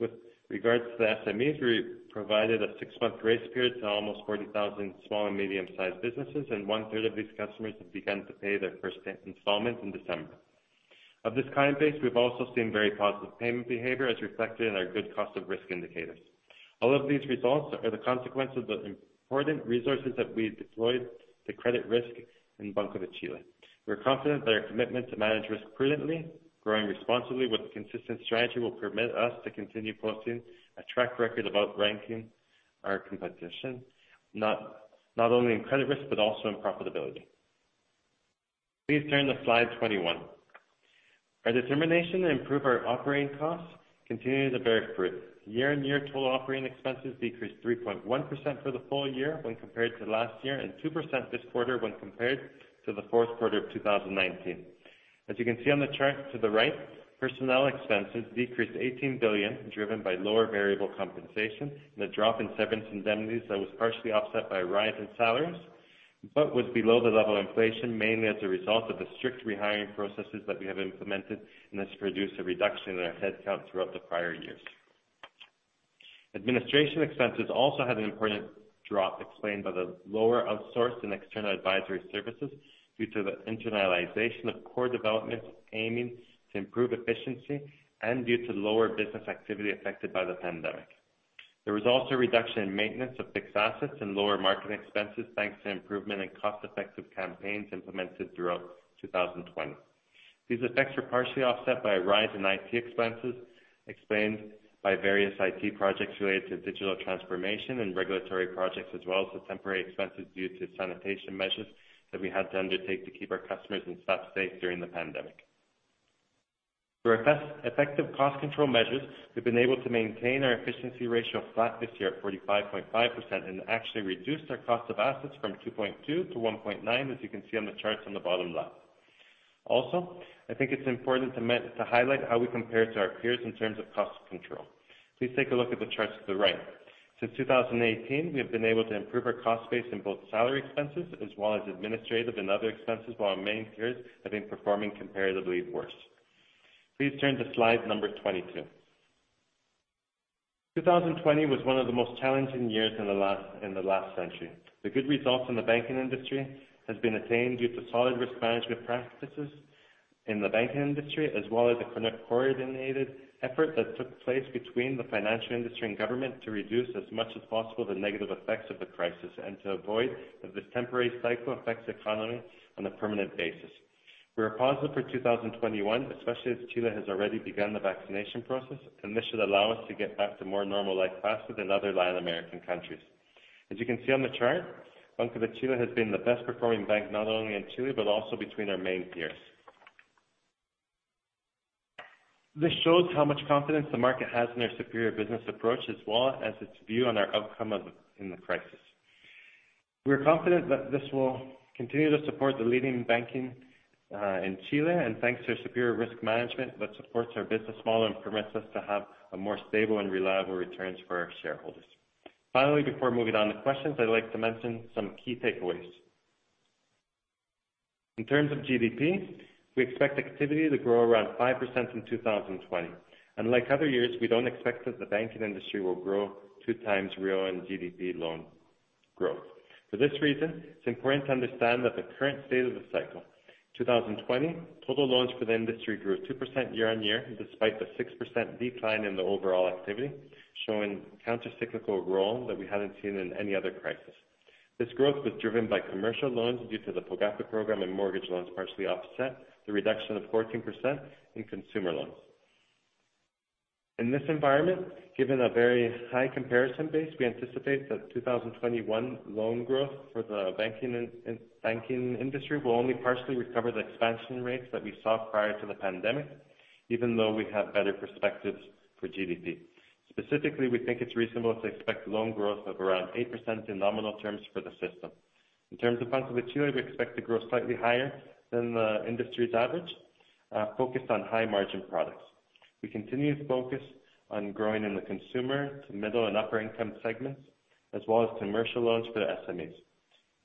With regards to the SMEs, we provided a six-month grace period to almost 40,000 small and medium-sized businesses. One-third of these customers have begun to pay their first installment in December. Of this client base, we've also seen very positive payment behavior as reflected in our good cost of risk indicators. All of these results are the consequence of the important resources that we deployed to credit risk in Banco de Chile. We are confident that our commitment to manage risk prudently, growing responsibly with a consistent strategy, will permit us to continue posting a track record of outranking our competition, not only in credit risk, but also in profitability. Please turn to slide 21. Our determination to improve our operating costs continue to bear fruit. Year-on-year, total operating expenses decreased 3.1% for the full year when compared to last year, and 2% this quarter when compared to the fourth quarter of 2019. As you can see on the chart to the right, personnel expenses decreased 18 billion, driven by lower variable compensation and a drop in severance indemnities that was partially offset by a rise in salaries, but was below the level of inflation, mainly as a result of the strict rehiring processes that we have implemented and has produced a reduction in our headcount throughout the prior years. Administration expenses also had an important drop explained by the lower outsourced and external advisory services due to the internalization of core development, aiming to improve efficiency and due to lower business activity affected by the pandemic. There was also a reduction in maintenance of fixed assets and lower marketing expenses thanks to improvement in cost-effective campaigns implemented throughout 2020. These effects were partially offset by a rise in IT expenses, explained by various IT projects related to digital transformation and regulatory projects, as well as the temporary expenses due to sanitation measures that we had to undertake to keep our customers and staff safe during the pandemic. Through effective cost control measures, we've been able to maintain our efficiency ratio flat this year at 45.5% and actually reduced our cost of assets from 2.2% to 1.9%, as you can see on the charts on the bottom left. Also, I think it's important to highlight how we compare to our peers in terms of cost control. Please take a look at the charts to the right. Since 2018, we have been able to improve our cost base in both salary expenses as well as administrative and other expenses, while our main peers have been performing comparatively worse. Please turn to slide number 22. 2020 was one of the most challenging years in the last century. The good results in the banking industry has been attained due to solid risk management practices in the banking industry, as well as the coordinated effort that took place between the financial industry and government to reduce as much as possible the negative effects of the crisis and to avoid that this temporary cycle affects the economy on a permanent basis. We are positive for 2021, especially as Chile has already begun the vaccination process, and this should allow us to get back to more normal life faster than other Latin American countries. As you can see on the chart, Banco de Chile has been the best performing bank, not only in Chile, but also between our main peers. This shows how much confidence the market has in our superior business approach, as well as its view on our outcome in the crisis. We're confident that this will continue to support the leading banking in Chile, and thanks to our superior risk management that supports our business model and permits us to have more stable and reliable returns for our shareholders. Finally, before moving on to questions, I'd like to mention some key takeaways. In terms of GDP, we expect activity to grow around 5% in 2020. Unlike other years, we don't expect that the banking industry will grow 2x real and GDP loan growth. For this reason, it's important to understand that the current state of the cycle, 2020, total loans for the industry grew 2% year-over-year, despite the 6% decline in the overall activity, showing countercyclical role that we haven't seen in any other crisis. This growth was driven by commercial loans due to the FOGAPE program, and mortgage loans partially offset the reduction of 14% in consumer loans. In this environment, given a very high comparison base, we anticipate that 2021 loan growth for the banking industry will only partially recover the expansion rates that we saw prior to the pandemic, even though we have better perspectives for GDP. Specifically, we think it's reasonable to expect loan growth of around 8% in nominal terms for the system. In terms of Banco de Chile, we expect to grow slightly higher than the industry's average, focused on high margin products. We continue to focus on growing in the consumer to middle and upper income segments, as well as commercial loans for the SMEs.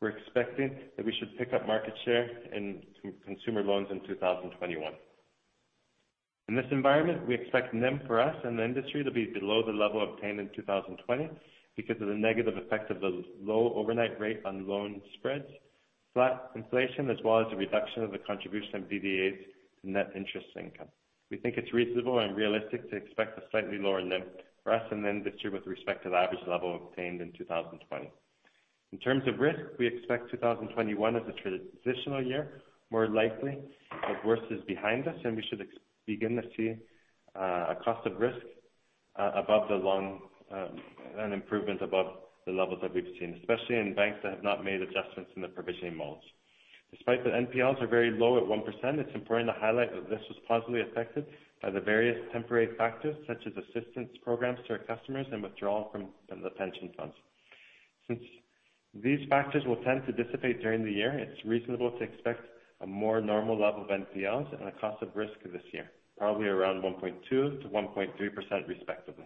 We're expecting that we should pick up market share in consumer loans in 2021. In this environment, we expect NIM for us and the industry to be below the level obtained in 2020 because of the negative effect of the low overnight rate on loan spreads, flat inflation, as well as the reduction of the contribution of DDAs to net interest income. We think it's reasonable and realistic to expect a slightly lower NIM for us in the industry with respect to the average level obtained in 2020. In terms of risk, we expect 2021 as a transitional year, more likely that worse is behind us, and we should begin to see an improvement above the levels that we've seen, especially in banks that have not made adjustments in their provisioning models. Despite that NPLs are very low at 1%, it's important to highlight that this was positively affected by the various temporary factors such as assistance programs to our customers and withdrawal from the pension funds. Since these factors will tend to dissipate during the year, it's reasonable to expect a more normal level of NPLs and a cost of risk this year, probably around 1.2%-1.3% respectively.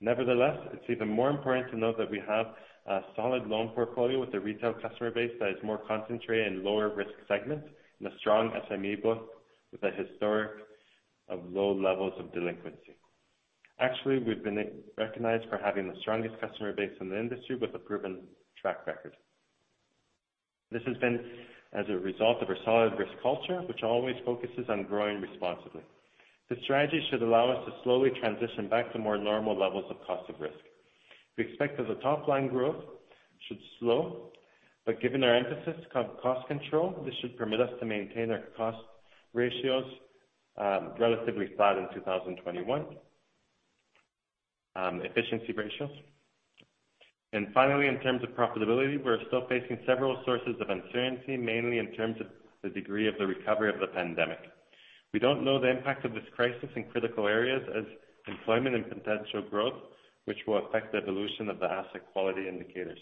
Nevertheless, it's even more important to note that we have a solid loan portfolio with a retail customer base that is more concentrated in lower risk segments and a strong SME book with a historic of low levels of delinquency. Actually, we've been recognized for having the strongest customer base in the industry with a proven track record. This has been as a result of our solid risk culture, which always focuses on growing responsibly. This strategy should allow us to slowly transition back to more normal levels of cost of risk. We expect that the top-line growth should slow, but given our emphasis on cost control, this should permit us to maintain our cost ratios relatively flat in 2021. Efficiency ratios. Finally, in terms of profitability, we're still facing several sources of uncertainty, mainly in terms of the degree of the recovery of the pandemic. We don't know the impact of this crisis in critical areas as employment and potential growth, which will affect the evolution of the asset quality indicators.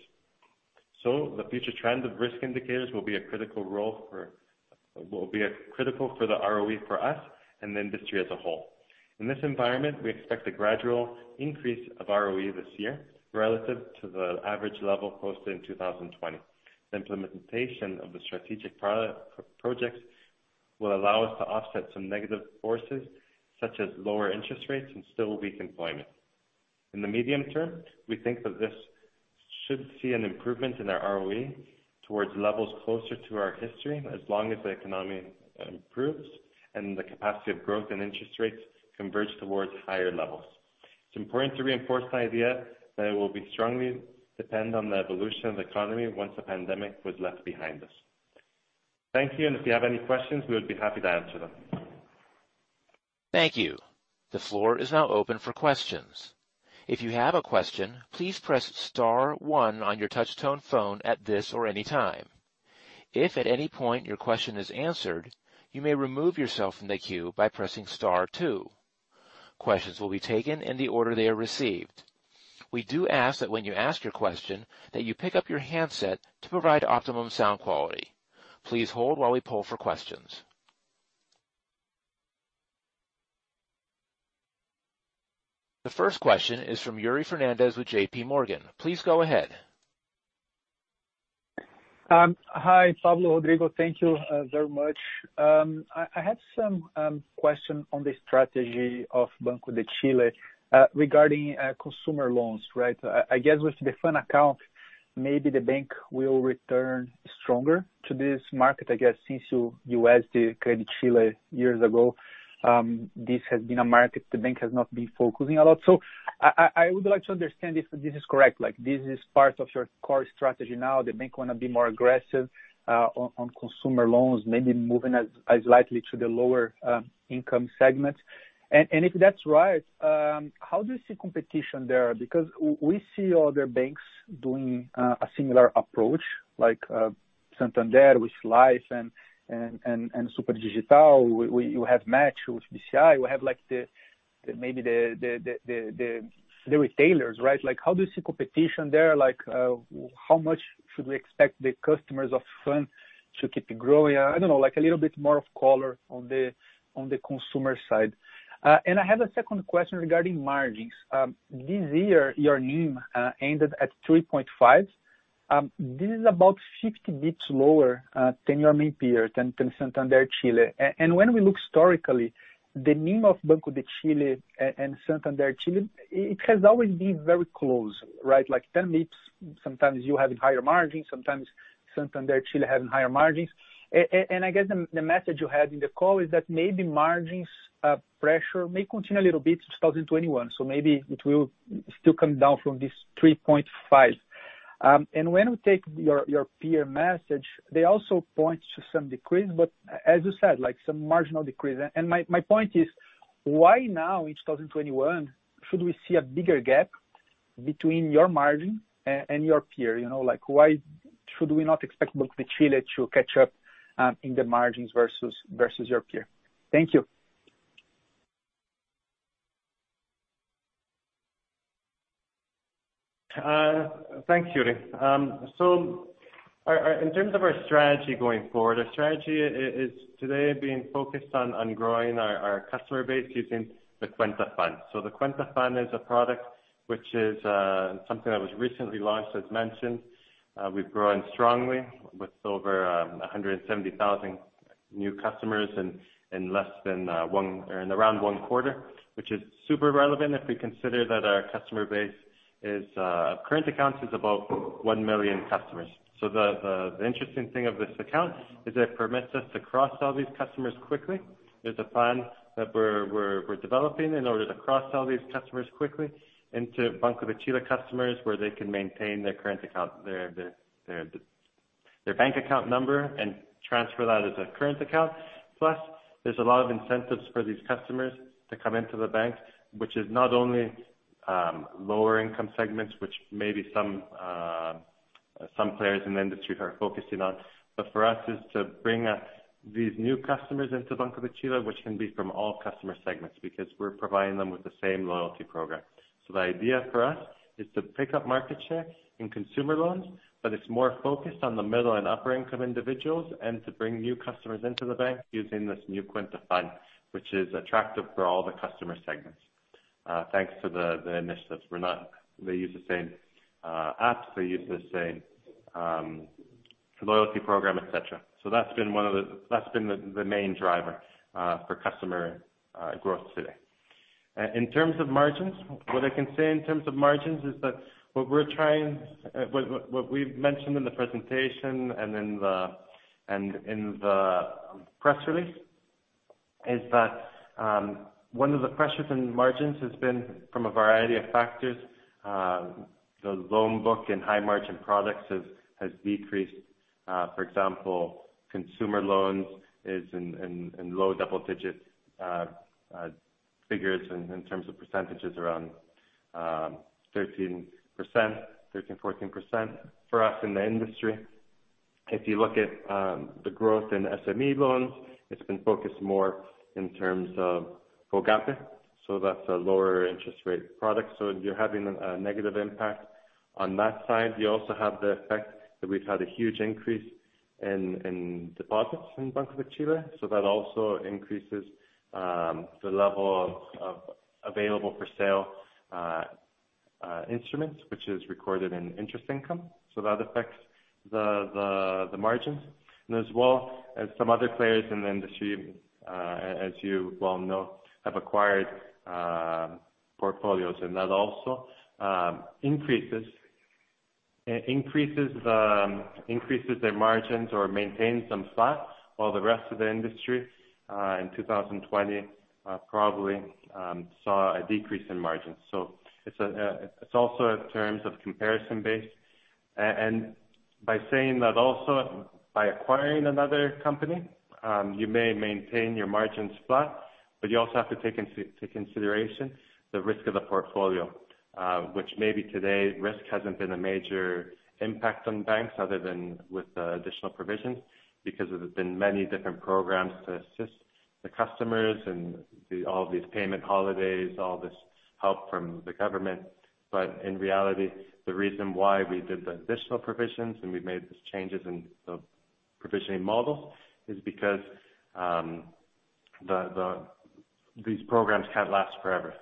The future trend of risk indicators will be critical for the ROE for us and the industry as a whole. In this environment, we expect a gradual increase of ROE this year relative to the average level posted in 2020. The implementation of the strategic projects will allow us to offset some negative forces such as lower interest rates and still weak employment. In the medium term, we think that this should see an improvement in our ROE towards levels closer to our history as long as the economy improves and the capacity of growth and interest rates converge towards higher levels. It's important to reinforce the idea that it will be strongly dependent on the evolution of the economy once the pandemic was left behind us. Thank you. If you have any questions, we would be happy to answer them. Thank you. The floor is now open for questions. If you have a question, please press star one on your touchtone phone at this or any time. If at any point your question is answered, you may remove yourself from the queue by pressing star two. Questions will be taken in the order they are received. We do ask that when you ask your question, that you pick up your handset to provide optimum sound quality. Please hold while we poll for questions. The first question is from Yuri Fernandes with JPMorgan. Please go ahead. Hi, Pablo, Rodrigo. Thank you very much. I have some questions on the strategy of Banco de Chile regarding consumer loans, right? I guess with the FAN account, maybe the bank will return stronger to this market. I guess since you as the CrediChile years ago, this has been a market the bank has not been focusing a lot. I would like to understand if this is correct, like this is part of your core strategy now, the bank want to be more aggressive on consumer loans, maybe moving slightly to the lower income segment. If that's right, how do you see competition there? We see other banks doing a similar approach, like Santander with Life and Superdigital. You have MACH with Bci. Maybe the retailers, right? How do you see competition there? How much should we expect the customers of FAN to keep growing? I don't know, a little bit more of color on the consumer side. I have a second question regarding margins. This year, your NIM ended at 3.5%. This is about 50 bps lower than your main peer, than Santander Chile. When we look historically, the NIM of Banco de Chile and Santander Chile, it has always been very close, right? Like 10 bps. Sometimes you're having higher margins, sometimes Santander Chile is having higher margins. I guess the message you had in the call is that maybe margins pressure may continue a little bit to 2021, so maybe it will still come down from this 3.5%. When we take your peer message, they also point to some decrease, but as you said, some marginal decrease. My point is, why now in 2021 should we see a bigger gap between your margin and your peer? Why should we not expect Banco de Chile to catch up in the margins versus your peer? Thank you. Thanks, Yuri. In terms of our strategy going forward, our strategy is today being focused on growing our customer base using the Cuenta FAN. The Cuenta FAN is a product which is something that was recently launched, as mentioned. We've grown strongly with over 170,000 new customers in around one quarter, which is super relevant if we consider that our customer base current accounts is about 1 million customers. The interesting thing of this account is it permits us to cross all these customers quickly. There's a fund that we're developing in order to cross all these customers quickly into Banco de Chile customers, where they can maintain their bank account number and transfer that as a current account. There's a lot of incentives for these customers to come into the bank, which is not only lower income segments, which maybe some players in the industry are focusing on. For us, it's to bring these new customers into Banco de Chile, which can be from all customer segments, because we're providing them with the same loyalty program. The idea for us is to pick up market share in consumer loans, but it's more focused on the middle and upper income individuals and to bring new customers into the bank using this new Cuenta FAN, which is attractive for all the customer segments. Thanks to the [initiatives that's going on]. They use the same apps, they use the same loyalty program, et cetera. That's been the main driver for customer growth today. In terms of margins, what I can say in terms of margins is that what we've mentioned in the presentation and in the press release is that one of the pressures in margins has been from a variety of factors. The loan book and high margin products has decreased. For example, consumer loans is in low double-digit figures in terms of percentages, around 13%, 13%, 14% for us in the industry. If you look at the growth in SME loans, it's been focused more in terms of FOGAPE, so that's a lower interest rate product. You're having a negative impact on that side. You also have the effect that we've had a huge increase in deposits in Banco de Chile, so that also increases the level of available-for-sale instruments, which is recorded in interest income, so that affects the margins. As well as some other players in the industry, as you well know, have acquired portfolios and that also increases their margins or maintains them flat, while the rest of the industry, in 2020, probably saw a decrease in margins. It's also in terms of comparison base. By saying that also by acquiring another company, you may maintain your margins flat, but you also have to take into consideration the risk of the portfolio. Which maybe today, risk hasn't been a major impact on banks other than with the additional provisions, because there's been many different programs to assist the customers and all these payment holidays, all this help from the government. In reality, the reason why we did the additional provisions and we made these changes in the provisioning model is because these programs can't last forever.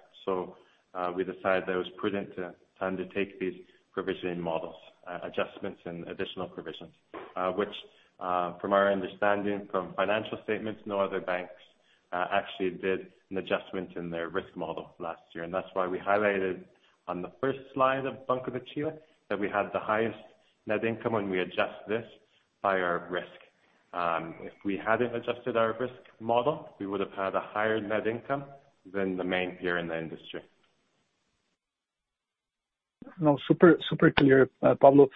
We decided that it was prudent to undertake these provisioning models, adjustments, and additional provisions. Which, from our understanding from financial statements, no other banks actually did an adjustment in their risk model last year. That's why we highlighted on the first slide of Banco de Chile that we had the highest net income when we adjust this by our risk. If we hadn't adjusted our risk model, we would have had a higher net income than the main peer in the industry. No, super clear, Pablo.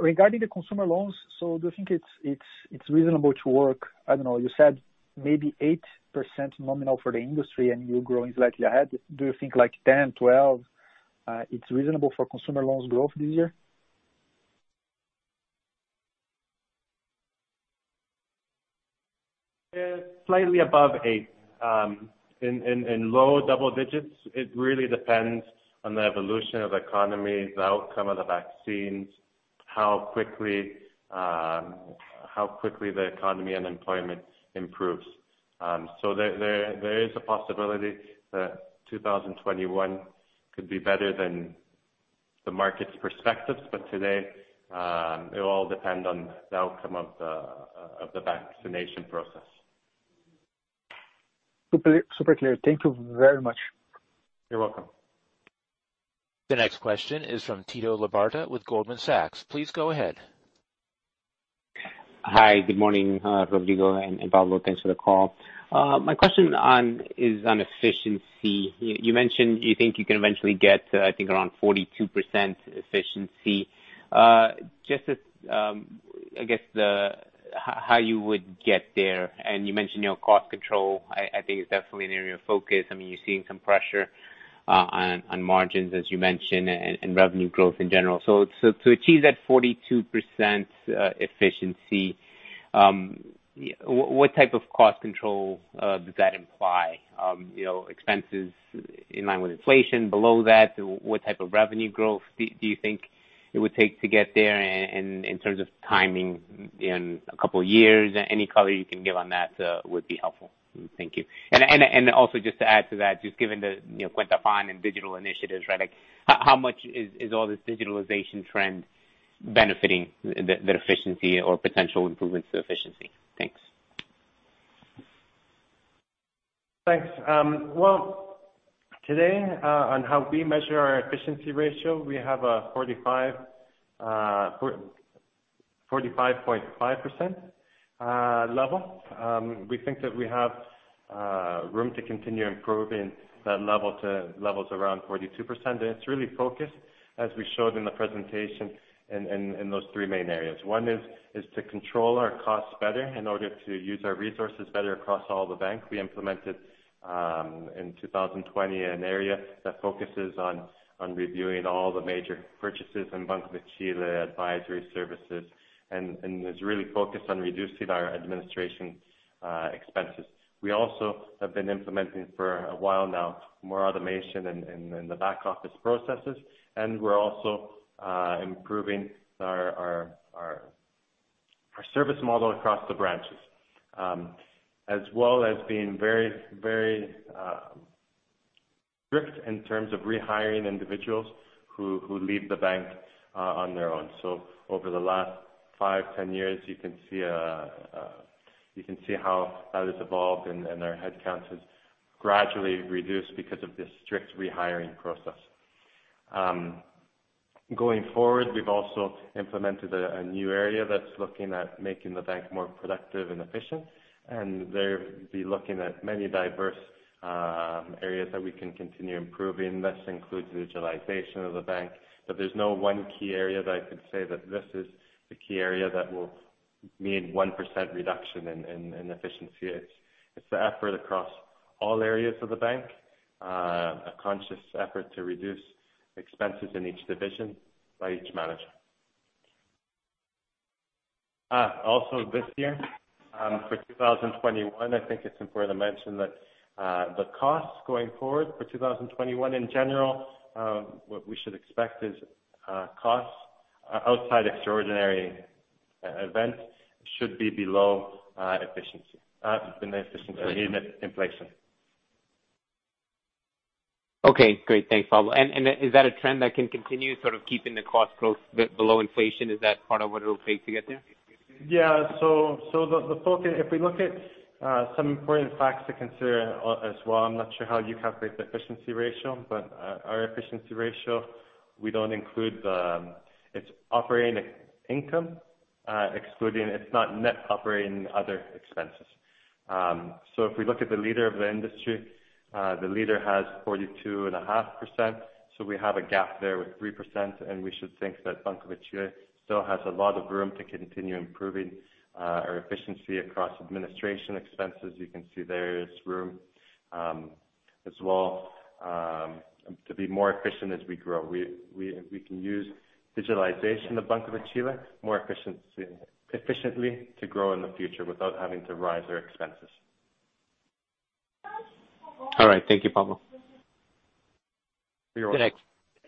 Regarding the consumer loans, so do you think it's reasonable to work, I don't know, you said maybe 8% nominal for the industry, and you're growing slightly ahead. Do you think like 10%, 12% is reasonable for consumer loans growth this year? Slightly above 8%. In low double digits, it really depends on the evolution of the economy, the outcome of the vaccines, how quickly the economy and employment improves. There is a possibility that 2021 could be better than the market's perspectives, but today, it will all depend on the outcome of the vaccination process. Super clear. Thank you very much. You're welcome. The next question is from Tito Labarta with Goldman Sachs. Please go ahead. Hi, good morning, Rodrigo and Pablo. Thanks for the call. My question is on efficiency. You mentioned you think you can eventually get, I think, around 42% efficiency. Just as, I guess, how you would get there. You mentioned your cost control, I think, is definitely an area of focus. You're seeing some pressure on margins, as you mentioned, and revenue growth in general. To achieve that 42% efficiency, what type of cost control does that imply? Expenses in line with inflation, below that? What type of revenue growth do you think it would take to get there? In terms of timing, in a couple of years, any color you can give on that would be helpful. Thank you. Also just to add to that, just given the Cuenta FAN and digital initiatives, how much is all this digitalization trend benefiting the efficiency or potential improvements to efficiency? Thanks. Thanks. Well, today, on how we measure our efficiency ratio, we have a 45.5% level. We think that we have room to continue improving that level to levels around 42%. It's really focused, as we showed in the presentation, in those three main areas. One is to control our costs better in order to use our resources better across all the bank. We implemented, in 2020, an area that focuses on reviewing all the major purchases in Banco de Chile advisory services and is really focused on reducing our administration expenses. We also have been implementing for a while now, more automation in the back office processes. We're also improving our service model across the branches, as well as being very strict in terms of rehiring individuals who leave the bank on their own. Over the last five, 10 years, you can see how that has evolved, and our headcounts have gradually reduced because of this strict rehiring process. Going forward, we've also implemented a new area that's looking at making the bank more productive and efficient, and they'll be looking at many diverse areas that we can continue improving. This includes digitalization of the bank, but there's no one key area that I could say that this is the key area that will mean 1% reduction in efficiency. It's the effort across all areas of the bank, a conscious effort to reduce expenses in each division by each manager. Also this year, for 2021, I think it's important to mention that, the costs going forward for 2021 in general, what we should expect is costs outside extraordinary events should be below inflation. Okay, great. Thanks, Pablo. Is that a trend that can continue, sort of keeping the cost growth below inflation? Is that part of what it'll take to get there? The focus, if we look at some important facts to consider as well, I'm not sure how you calculate the efficiency ratio, but our efficiency ratio, we don't include operating income, excluding, it's not net operating other expenses. If we look at the leader of the industry, the leader has 42.5%, we have a gap there with 3%, we should think that Banco de Chile still has a lot of room to continue improving our efficiency across administration expenses. You can see there is room as well to be more efficient as we grow. We can use digitalization at Banco de Chile more efficiently to grow in the future without having to rise our expenses. All right. Thank you, Pablo. You're welcome.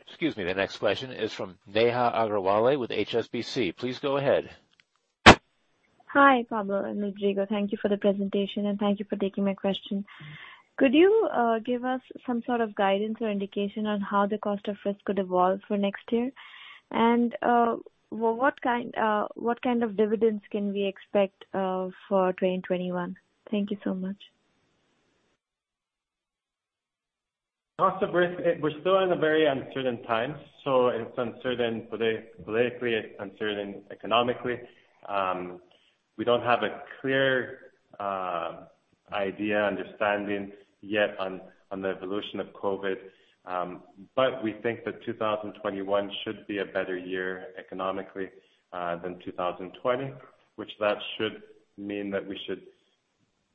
Excuse me. The next question is from Neha Agarwala with HSBC. Please go ahead. Hi, Pablo and Rodrigo. Thank you for the presentation, and thank you for taking my question. Could you give us some sort of guidance or indication on how the cost of risk could evolve for next year? What kind of dividends can we expect for 2021? Thank you so much. Cost of risk, we're still in a very uncertain time, so it's uncertain politically, it's uncertain economically. We don't have a clear idea, understanding yet on the evolution of COVID. We think that 2021 should be a better year economically, than 2020, which that should mean that we should,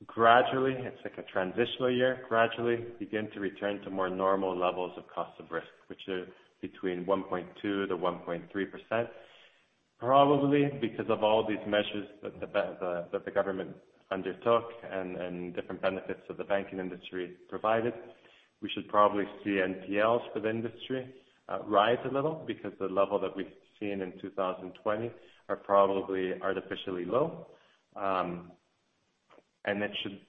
it's like a transitional year, gradually begin to return to more normal levels of cost of risk, which are between 1.2%-1.3%, probably because of all these measures that the government undertook and different benefits that the banking industry provided. We should probably see NPLs for the industry rise a little because the level that we've seen in 2020 are probably artificially low. It should,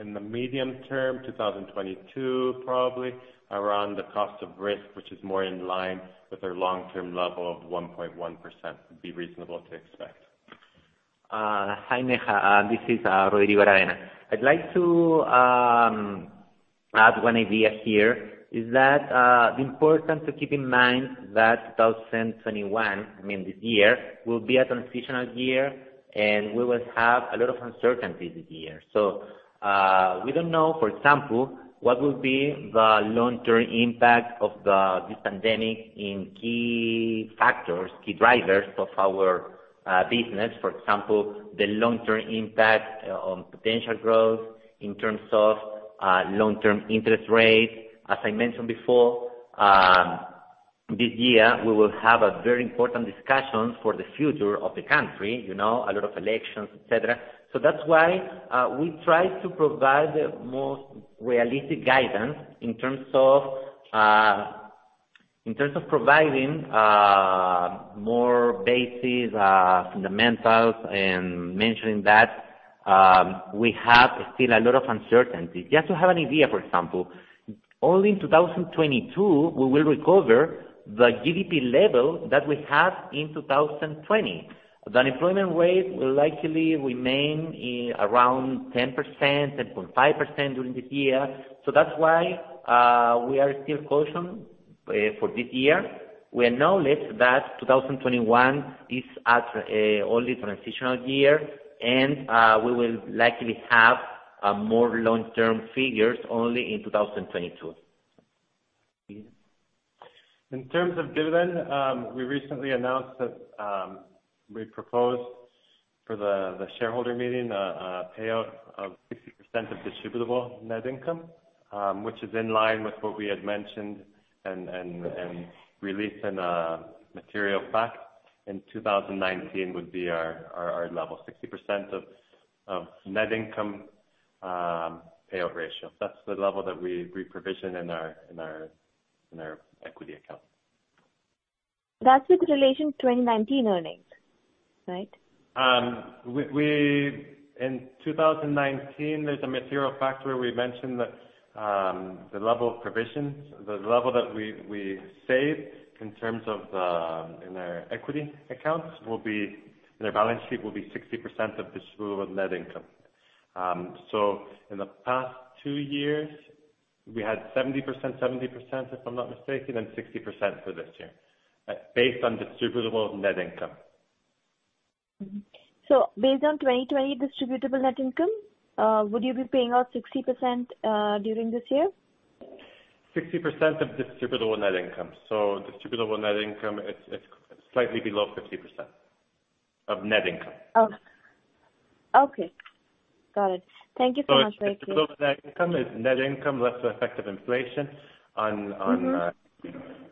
in the medium term, 2022 probably, around the cost of risk, which is more in line with our long-term level of 1.1%, would be reasonable to expect. Hi, Neha. This is Rodrigo Aravena. I'd like to add one idea here, is that the importance to keep in mind that 2021, I mean, this year, will be a transitional year, and we will have a lot of uncertainties this year. We don't know, for example, what will be the long-term impact of this pandemic in key factors, key drivers of our business. For example, the long-term impact on potential growth in terms of long-term interest rates. As I mentioned before, this year, we will have a very important discussion for the future of the country, a lot of elections, et cetera. That's why, we try to provide the most realistic guidance in terms of providing more bases, fundamentals, and mentioning that we have still a lot of uncertainty. Just to have an idea, for example, only in 2022, we will recover the GDP level that we had in 2020. The unemployment rate will likely remain around 10%, 10.5% during this year. That's why, we are still cautious for this year. We acknowledge that 2021 is only transitional year. We will likely have more long-term figures only in 2022. In terms of dividend, we recently announced that we proposed for the shareholder meeting a payout of 60% of distributable net income, which is in line with what we had mentioned and released in a material fact in 2019 would be our level, 60% of net income payout ratio. That's the level that we provision in our equity account. That's with relation to 2019 earnings, right? In 2019, there's a material factor we mentioned that the level of provisions, the level that we saved in terms of in our equity accounts in our balance sheet will be 60% of distributable net income. In the past two years, we had 70%, if I'm not mistaken, then 60% for this year, based on distributable net income. Based on 2020 distributable net income, would you be paying out 60% during this year? 60% of distributable net income. Distributable net income, it's slightly below 50% of net income. Oh. Okay. Got it. Thank you so much. It's distributable net income is net income less the effect of inflation.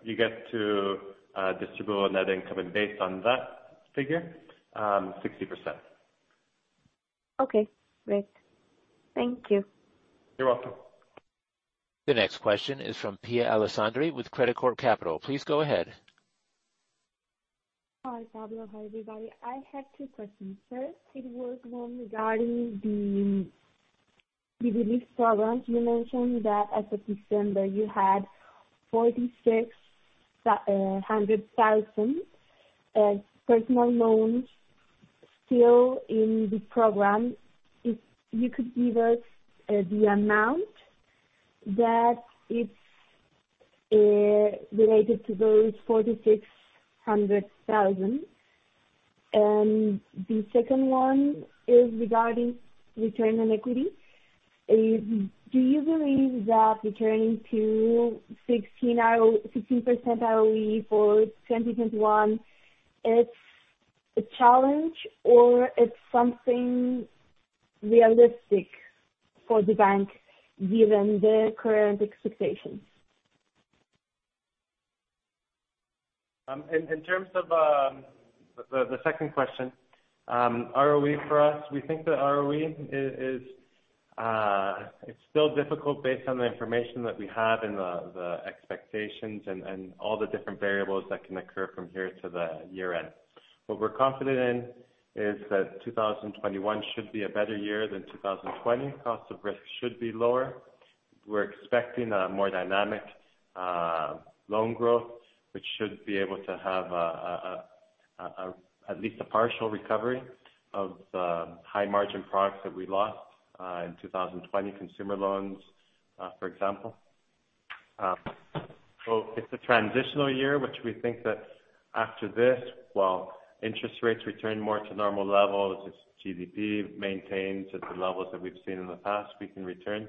You get to distributable net income and based on that figure, 60%. Okay, great. Thank you. You're welcome. The next question is from Pia Alessandri with Credicorp Capital. Please go ahead. Hi, Pablo. Hi, everybody. I have two questions. It was one regarding the relief programs. You mentioned that as of December you had 460,000 personal loans still in the program. If you could give us the amount that is related to those 460,000. The second one is regarding return on equity. Do you believe that returning to 16% ROE for 2021, it's a challenge or it's something realistic for the bank given the current expectations? In terms of the second question, ROE for us, we think that ROE, it's still difficult based on the information that we have and the expectations and all the different variables that can occur from here to the year end. What we're confident in is that 2021 should be a better year than 2020. Cost of risk should be lower. We're expecting a more dynamic loan growth, which should be able to have at least a partial recovery of the high margin products that we lost, in 2020, consumer loans, for example. It's a transitional year, which we think that after this, while interest rates return more to normal levels, its GDP maintains at the levels that we've seen in the past, we can return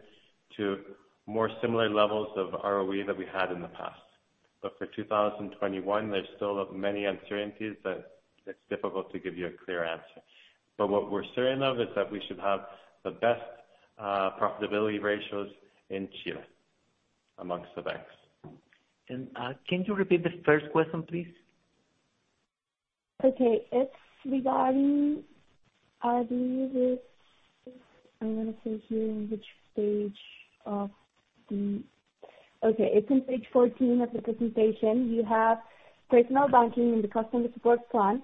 to more similar levels of ROE that we had in the past. For 2021, there's still many uncertainties that it's difficult to give you a clear answer. What we're certain of is that we should have the best profitability ratios in Chile amongst the banks. Can you repeat the first question, please? Okay. It's on page 14 of the presentation. You have personal banking in the customer support plan,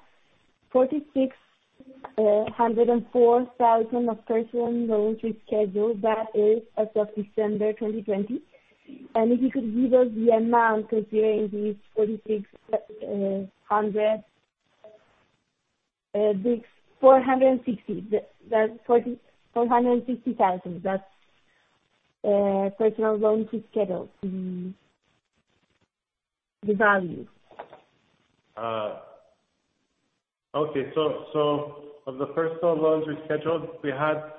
464,000 of personal loans rescheduled. That is as of December 2020. If you could give us the amount concerning these 460,000, that's personal loans rescheduled, the value. Okay. Of the personal loans rescheduled we had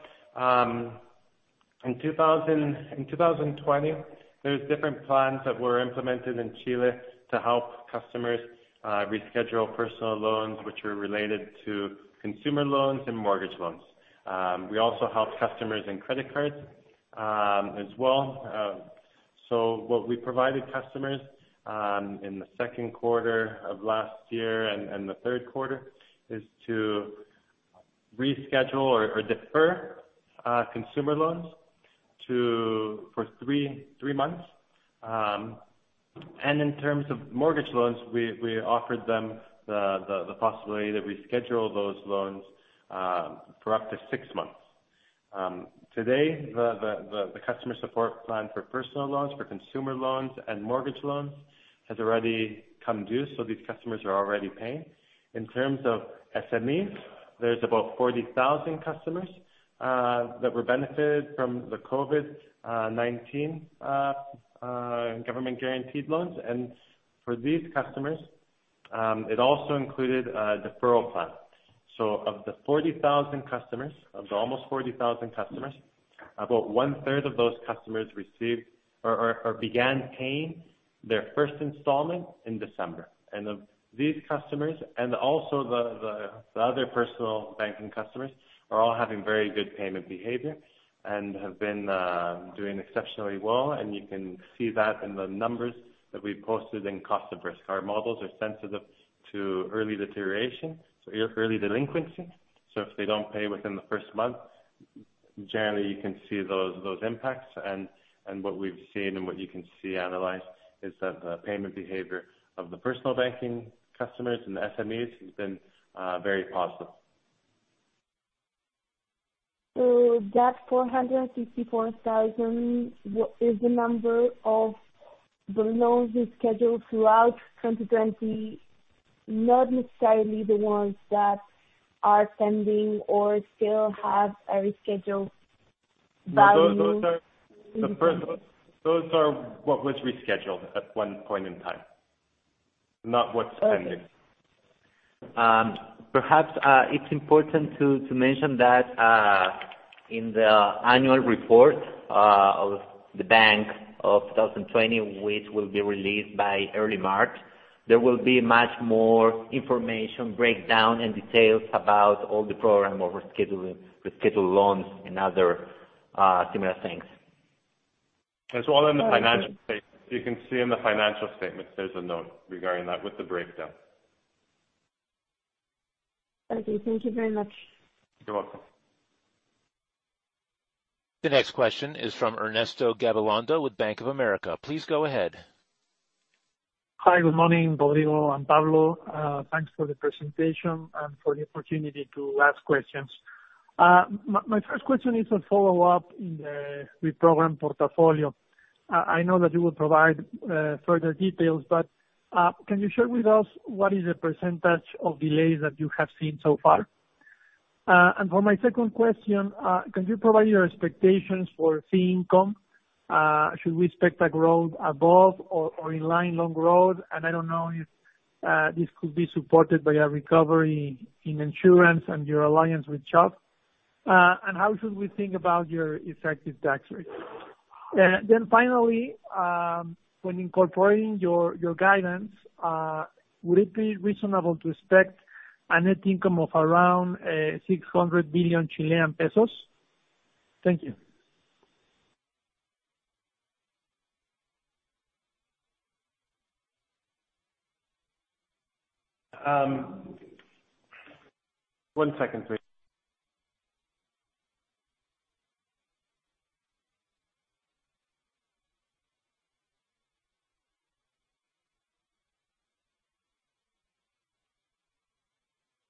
in 2020, there's different plans that were implemented in Chile to help customers reschedule personal loans, which were related to consumer loans and mortgage loans. We also helped customers in credit cards as well. What we provided customers in the second quarter of last year and the third quarter is to reschedule or defer consumer loans for three months. In terms of mortgage loans, we offered them the possibility to reschedule those loans for up to six months. Today, the customer support plan for personal loans, for consumer loans, and mortgage loans has already come due. These customers are already paying. In terms of SMEs, there's about 40,000 customers that were benefited from the COVID-19 government-guaranteed loans. For these customers, it also included a deferral plan. Of the almost 40,000 customers, about 1/3 of those customers received or began paying their first installment in December. Of these customers, and also the other personal banking customers, are all having very good payment behavior and have been doing exceptionally well, and you can see that in the numbers that we posted in cost of risk. Our models are sensitive to early deterioration, so your early delinquency. If they don't pay within the first month, generally you can see those impacts, and what we've seen and what you can see analyzed is that the payment behavior of the personal banking customers and the SMEs has been very positive. That 464,000 is the number of the loans you scheduled throughout 2020, not necessarily the ones that are pending or still have a rescheduled value? Those are what was rescheduled at one point in time, not what's pending. Perhaps it's important to mention that in the annual report of the bank of 2020, which will be released by early March, there will be much more information breakdown and details about all the program of rescheduling loans and other similar things. It's all in the financial statements. You can see in the financial statements, there's a note regarding that with the breakdown. Okay, thank you very much. You're welcome. The next question is from Ernesto Gabilondo with Bank of America. Please go ahead. Hi, good morning, Rodrigo and Pablo. Thanks for the presentation and for the opportunity to ask questions. My first question is a follow-up in the reprogrammed portfolio. I know that you will provide further details, but can you share with us what is the percentage of delays that you have seen so far? For my second question, can you provide your expectations for fee income? Should we expect a growth above or in line long-run? I don't know if this could be supported by a recovery in insurance and your alliance with Chubb. How should we think about your effective tax rate? Finally, when incorporating your guidance, would it be reasonable to expect a net income of around 600 billion Chilean pesos? Thank you. One second, please.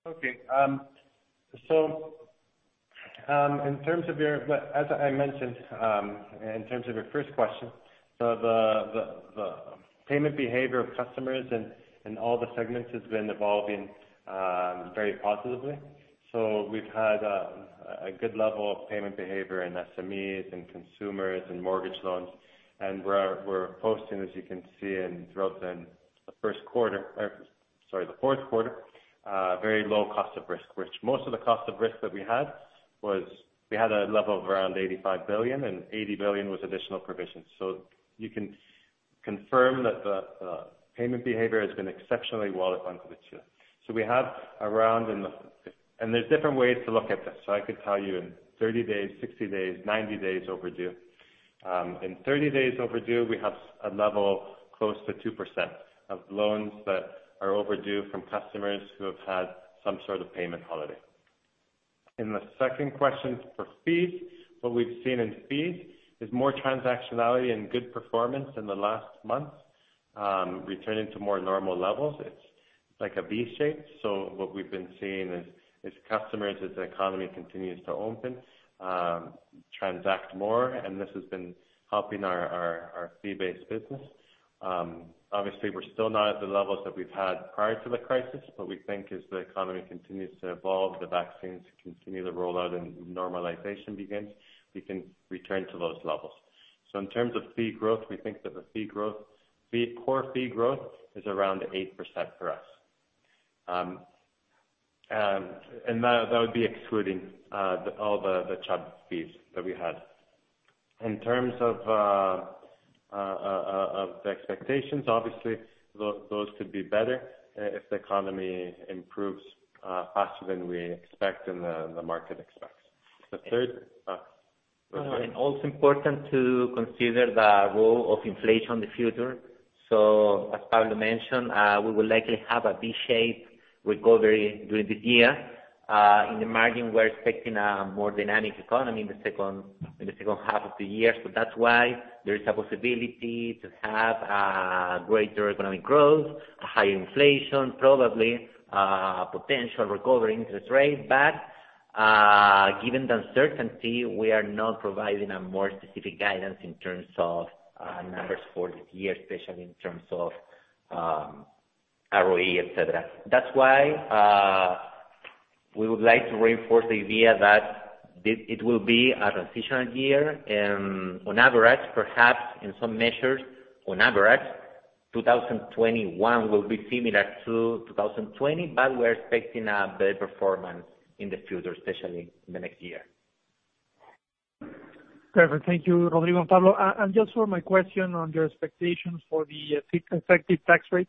Okay. As I mentioned, in terms of your first question, the payment behavior of customers in all the segments has been evolving very positively. We've had a good level of payment behavior in SMEs and consumers and mortgage loans. We're posting, as you can see, throughout the first quarter or, sorry, the fourth quarter, very low cost of risk, which most of the cost of risk that we had was we had a level of around 85 billion, and 80 billion was additional provisions. You can confirm that the payment behavior has been exceptionally well at Banco de Chile. There's different ways to look at this. I could tell you in 30 days, 60 days, 90 days overdue. In 30 days overdue, we have a level close to 2% of loans that are overdue from customers who have had some sort of payment holiday. In the second question, for fees, what we've seen in fees is more transactionality and good performance in the last month, returning to more normal levels. It's like a V shape. What we've been seeing is customers, as the economy continues to open, transact more, and this has been helping our fee-based business. Obviously, we're still not at the levels that we've had prior to the crisis, but we think as the economy continues to evolve, the vaccines continue to roll out and normalization begins, we can return to those levels. In terms of fee growth, we think that the core fee growth is around 8% for us. That would be excluding all the Chubb fees that we had. In terms of the expectations, obviously, those could be better, if the economy improves faster than we expect and the market expects. Also important to consider the role of inflation in the future. As Pablo mentioned, we will likely have a V-shape recovery during the year. In the margin, we're expecting a more dynamic economy in the second half of the year. That's why there is a possibility to have greater economic growth, high inflation, probably potential recovery interest rate. Given the uncertainty, we are not providing a more specific guidance in terms of numbers for this year, especially in terms of ROE, et cetera. That's why we would like to reinforce the idea that it will be a transitional year. On average, perhaps in some measures, on average, 2021 will be similar to 2020, but we're expecting a better performance in the future, especially in the next year. Perfect. Thank you, Rodrigo and Pablo. Just for my question on your expectations for the effective tax rate.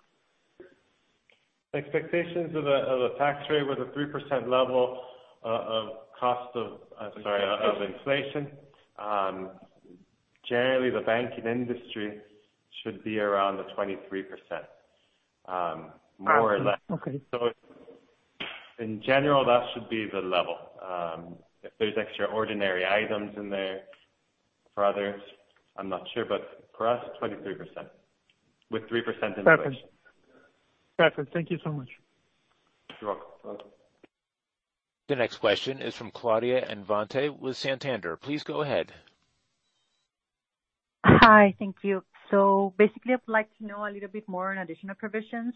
Expectations of a tax rate with a 3% level of cost of I'm sorry, of inflation. Generally, the banking industry should be around the 23%, more or less. Okay. In general, that should be the level. If there's extraordinary items in there for others, I'm not sure, but for us, 23%, with 3% inflation. Perfect. Thank you so much. You're welcome. The next question is from Claudia Benavente with Santander. Please go ahead. Hi. Thank you. Basically, I would like to know a little bit more on additional provisions.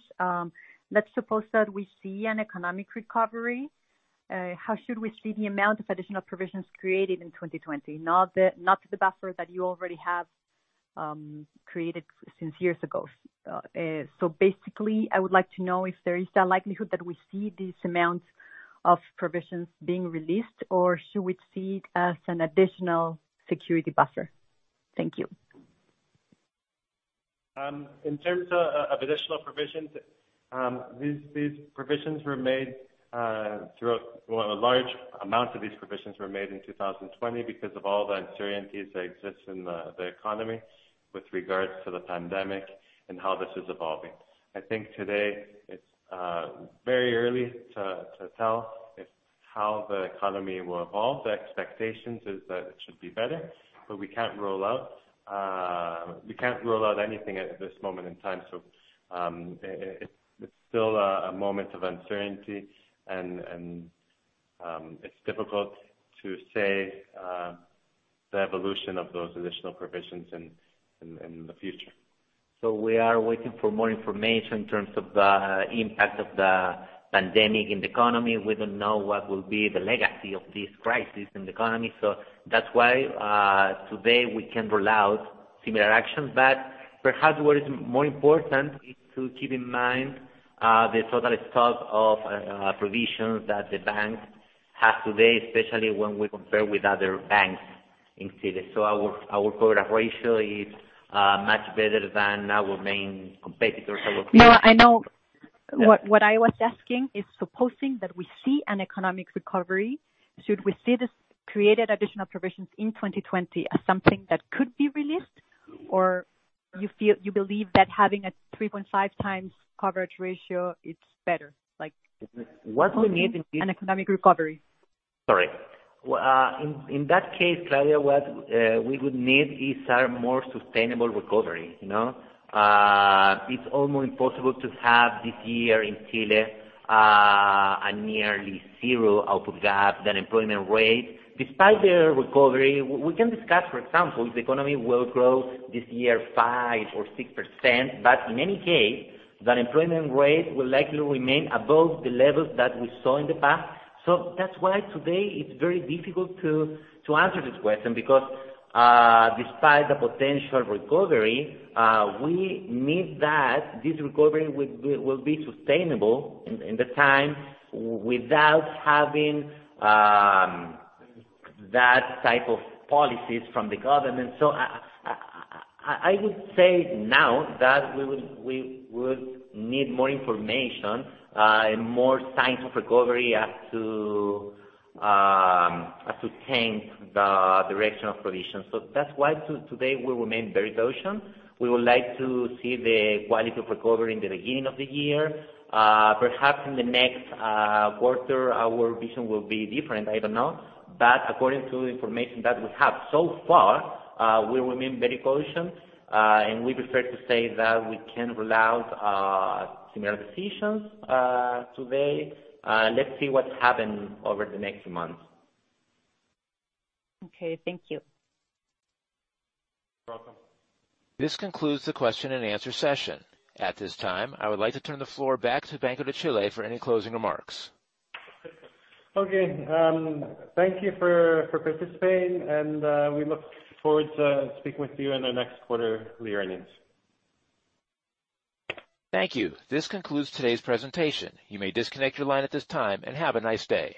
Let's suppose that we see an economic recovery, how should we see the amount of additional provisions created in 2020? Not the buffer that you already have created since years ago. Basically, I would like to know if there is a likelihood that we see these amounts of provisions being released, or should we see it as an additional security buffer? Thank you. In terms of additional provisions, these provisions were made throughout, well, a large amount of these provisions were made in 2020 because of all the uncertainties that exist in the economy with regards to the pandemic and how this is evolving. I think today it's very early to tell how the economy will evolve. The expectations is that it should be better, we can't rule out anything at this moment in time. It's still a moment of uncertainty and it's difficult to say the evolution of those additional provisions in the future. We are waiting for more information in terms of the impact of the pandemic in the economy. We don't know what will be the legacy of this crisis in the economy. That's why today, we can't rule out similar actions. Perhaps what is more important is to keep in mind the total stock of provisions that the banks have today, especially when we compare with other banks in Chile. Our coverage ratio is much better than our main competitors. No, I know. What I was asking is supposing that we see an economic recovery, should we see this created additional provisions in 2020 as something that could be released? You believe that having a 3.5x coverage ratio, it's better. What we need in this- An economic recovery. Sorry. In that case, Claudia, what we would need is a more sustainable recovery. It's almost impossible to have this year in Chile a nearly zero output gap, the unemployment rate. Despite the recovery, we can discuss, for example, if the economy will grow this year 5% or 6%, but in any case, the unemployment rate will likely remain above the levels that we saw in the past. That's why today it's very difficult to answer this question, because despite the potential recovery, we need that this recovery will be sustainable in the time without having that type of policies from the government. I would say now that we would need more information and more signs of recovery as to change the direction of provision. That's why today we remain very cautious. We would like to see the quality of recovery in the beginning of the year. Perhaps in the next quarter, our vision will be different, I don't know. According to the information that we have so far, we remain very cautious, and we prefer to say that we can't rule out similar decisions today. Let's see what happens over the next months. Okay. Thank you. You're welcome. This concludes the question and answer session. At this time, I would like to turn the floor back to Banco de Chile for any closing remarks. Okay. Thank you for participating. We look forward to speaking with you in the next quarter of the earnings. Thank you. This concludes today's presentation. You may disconnect your line at this time, and have a nice day.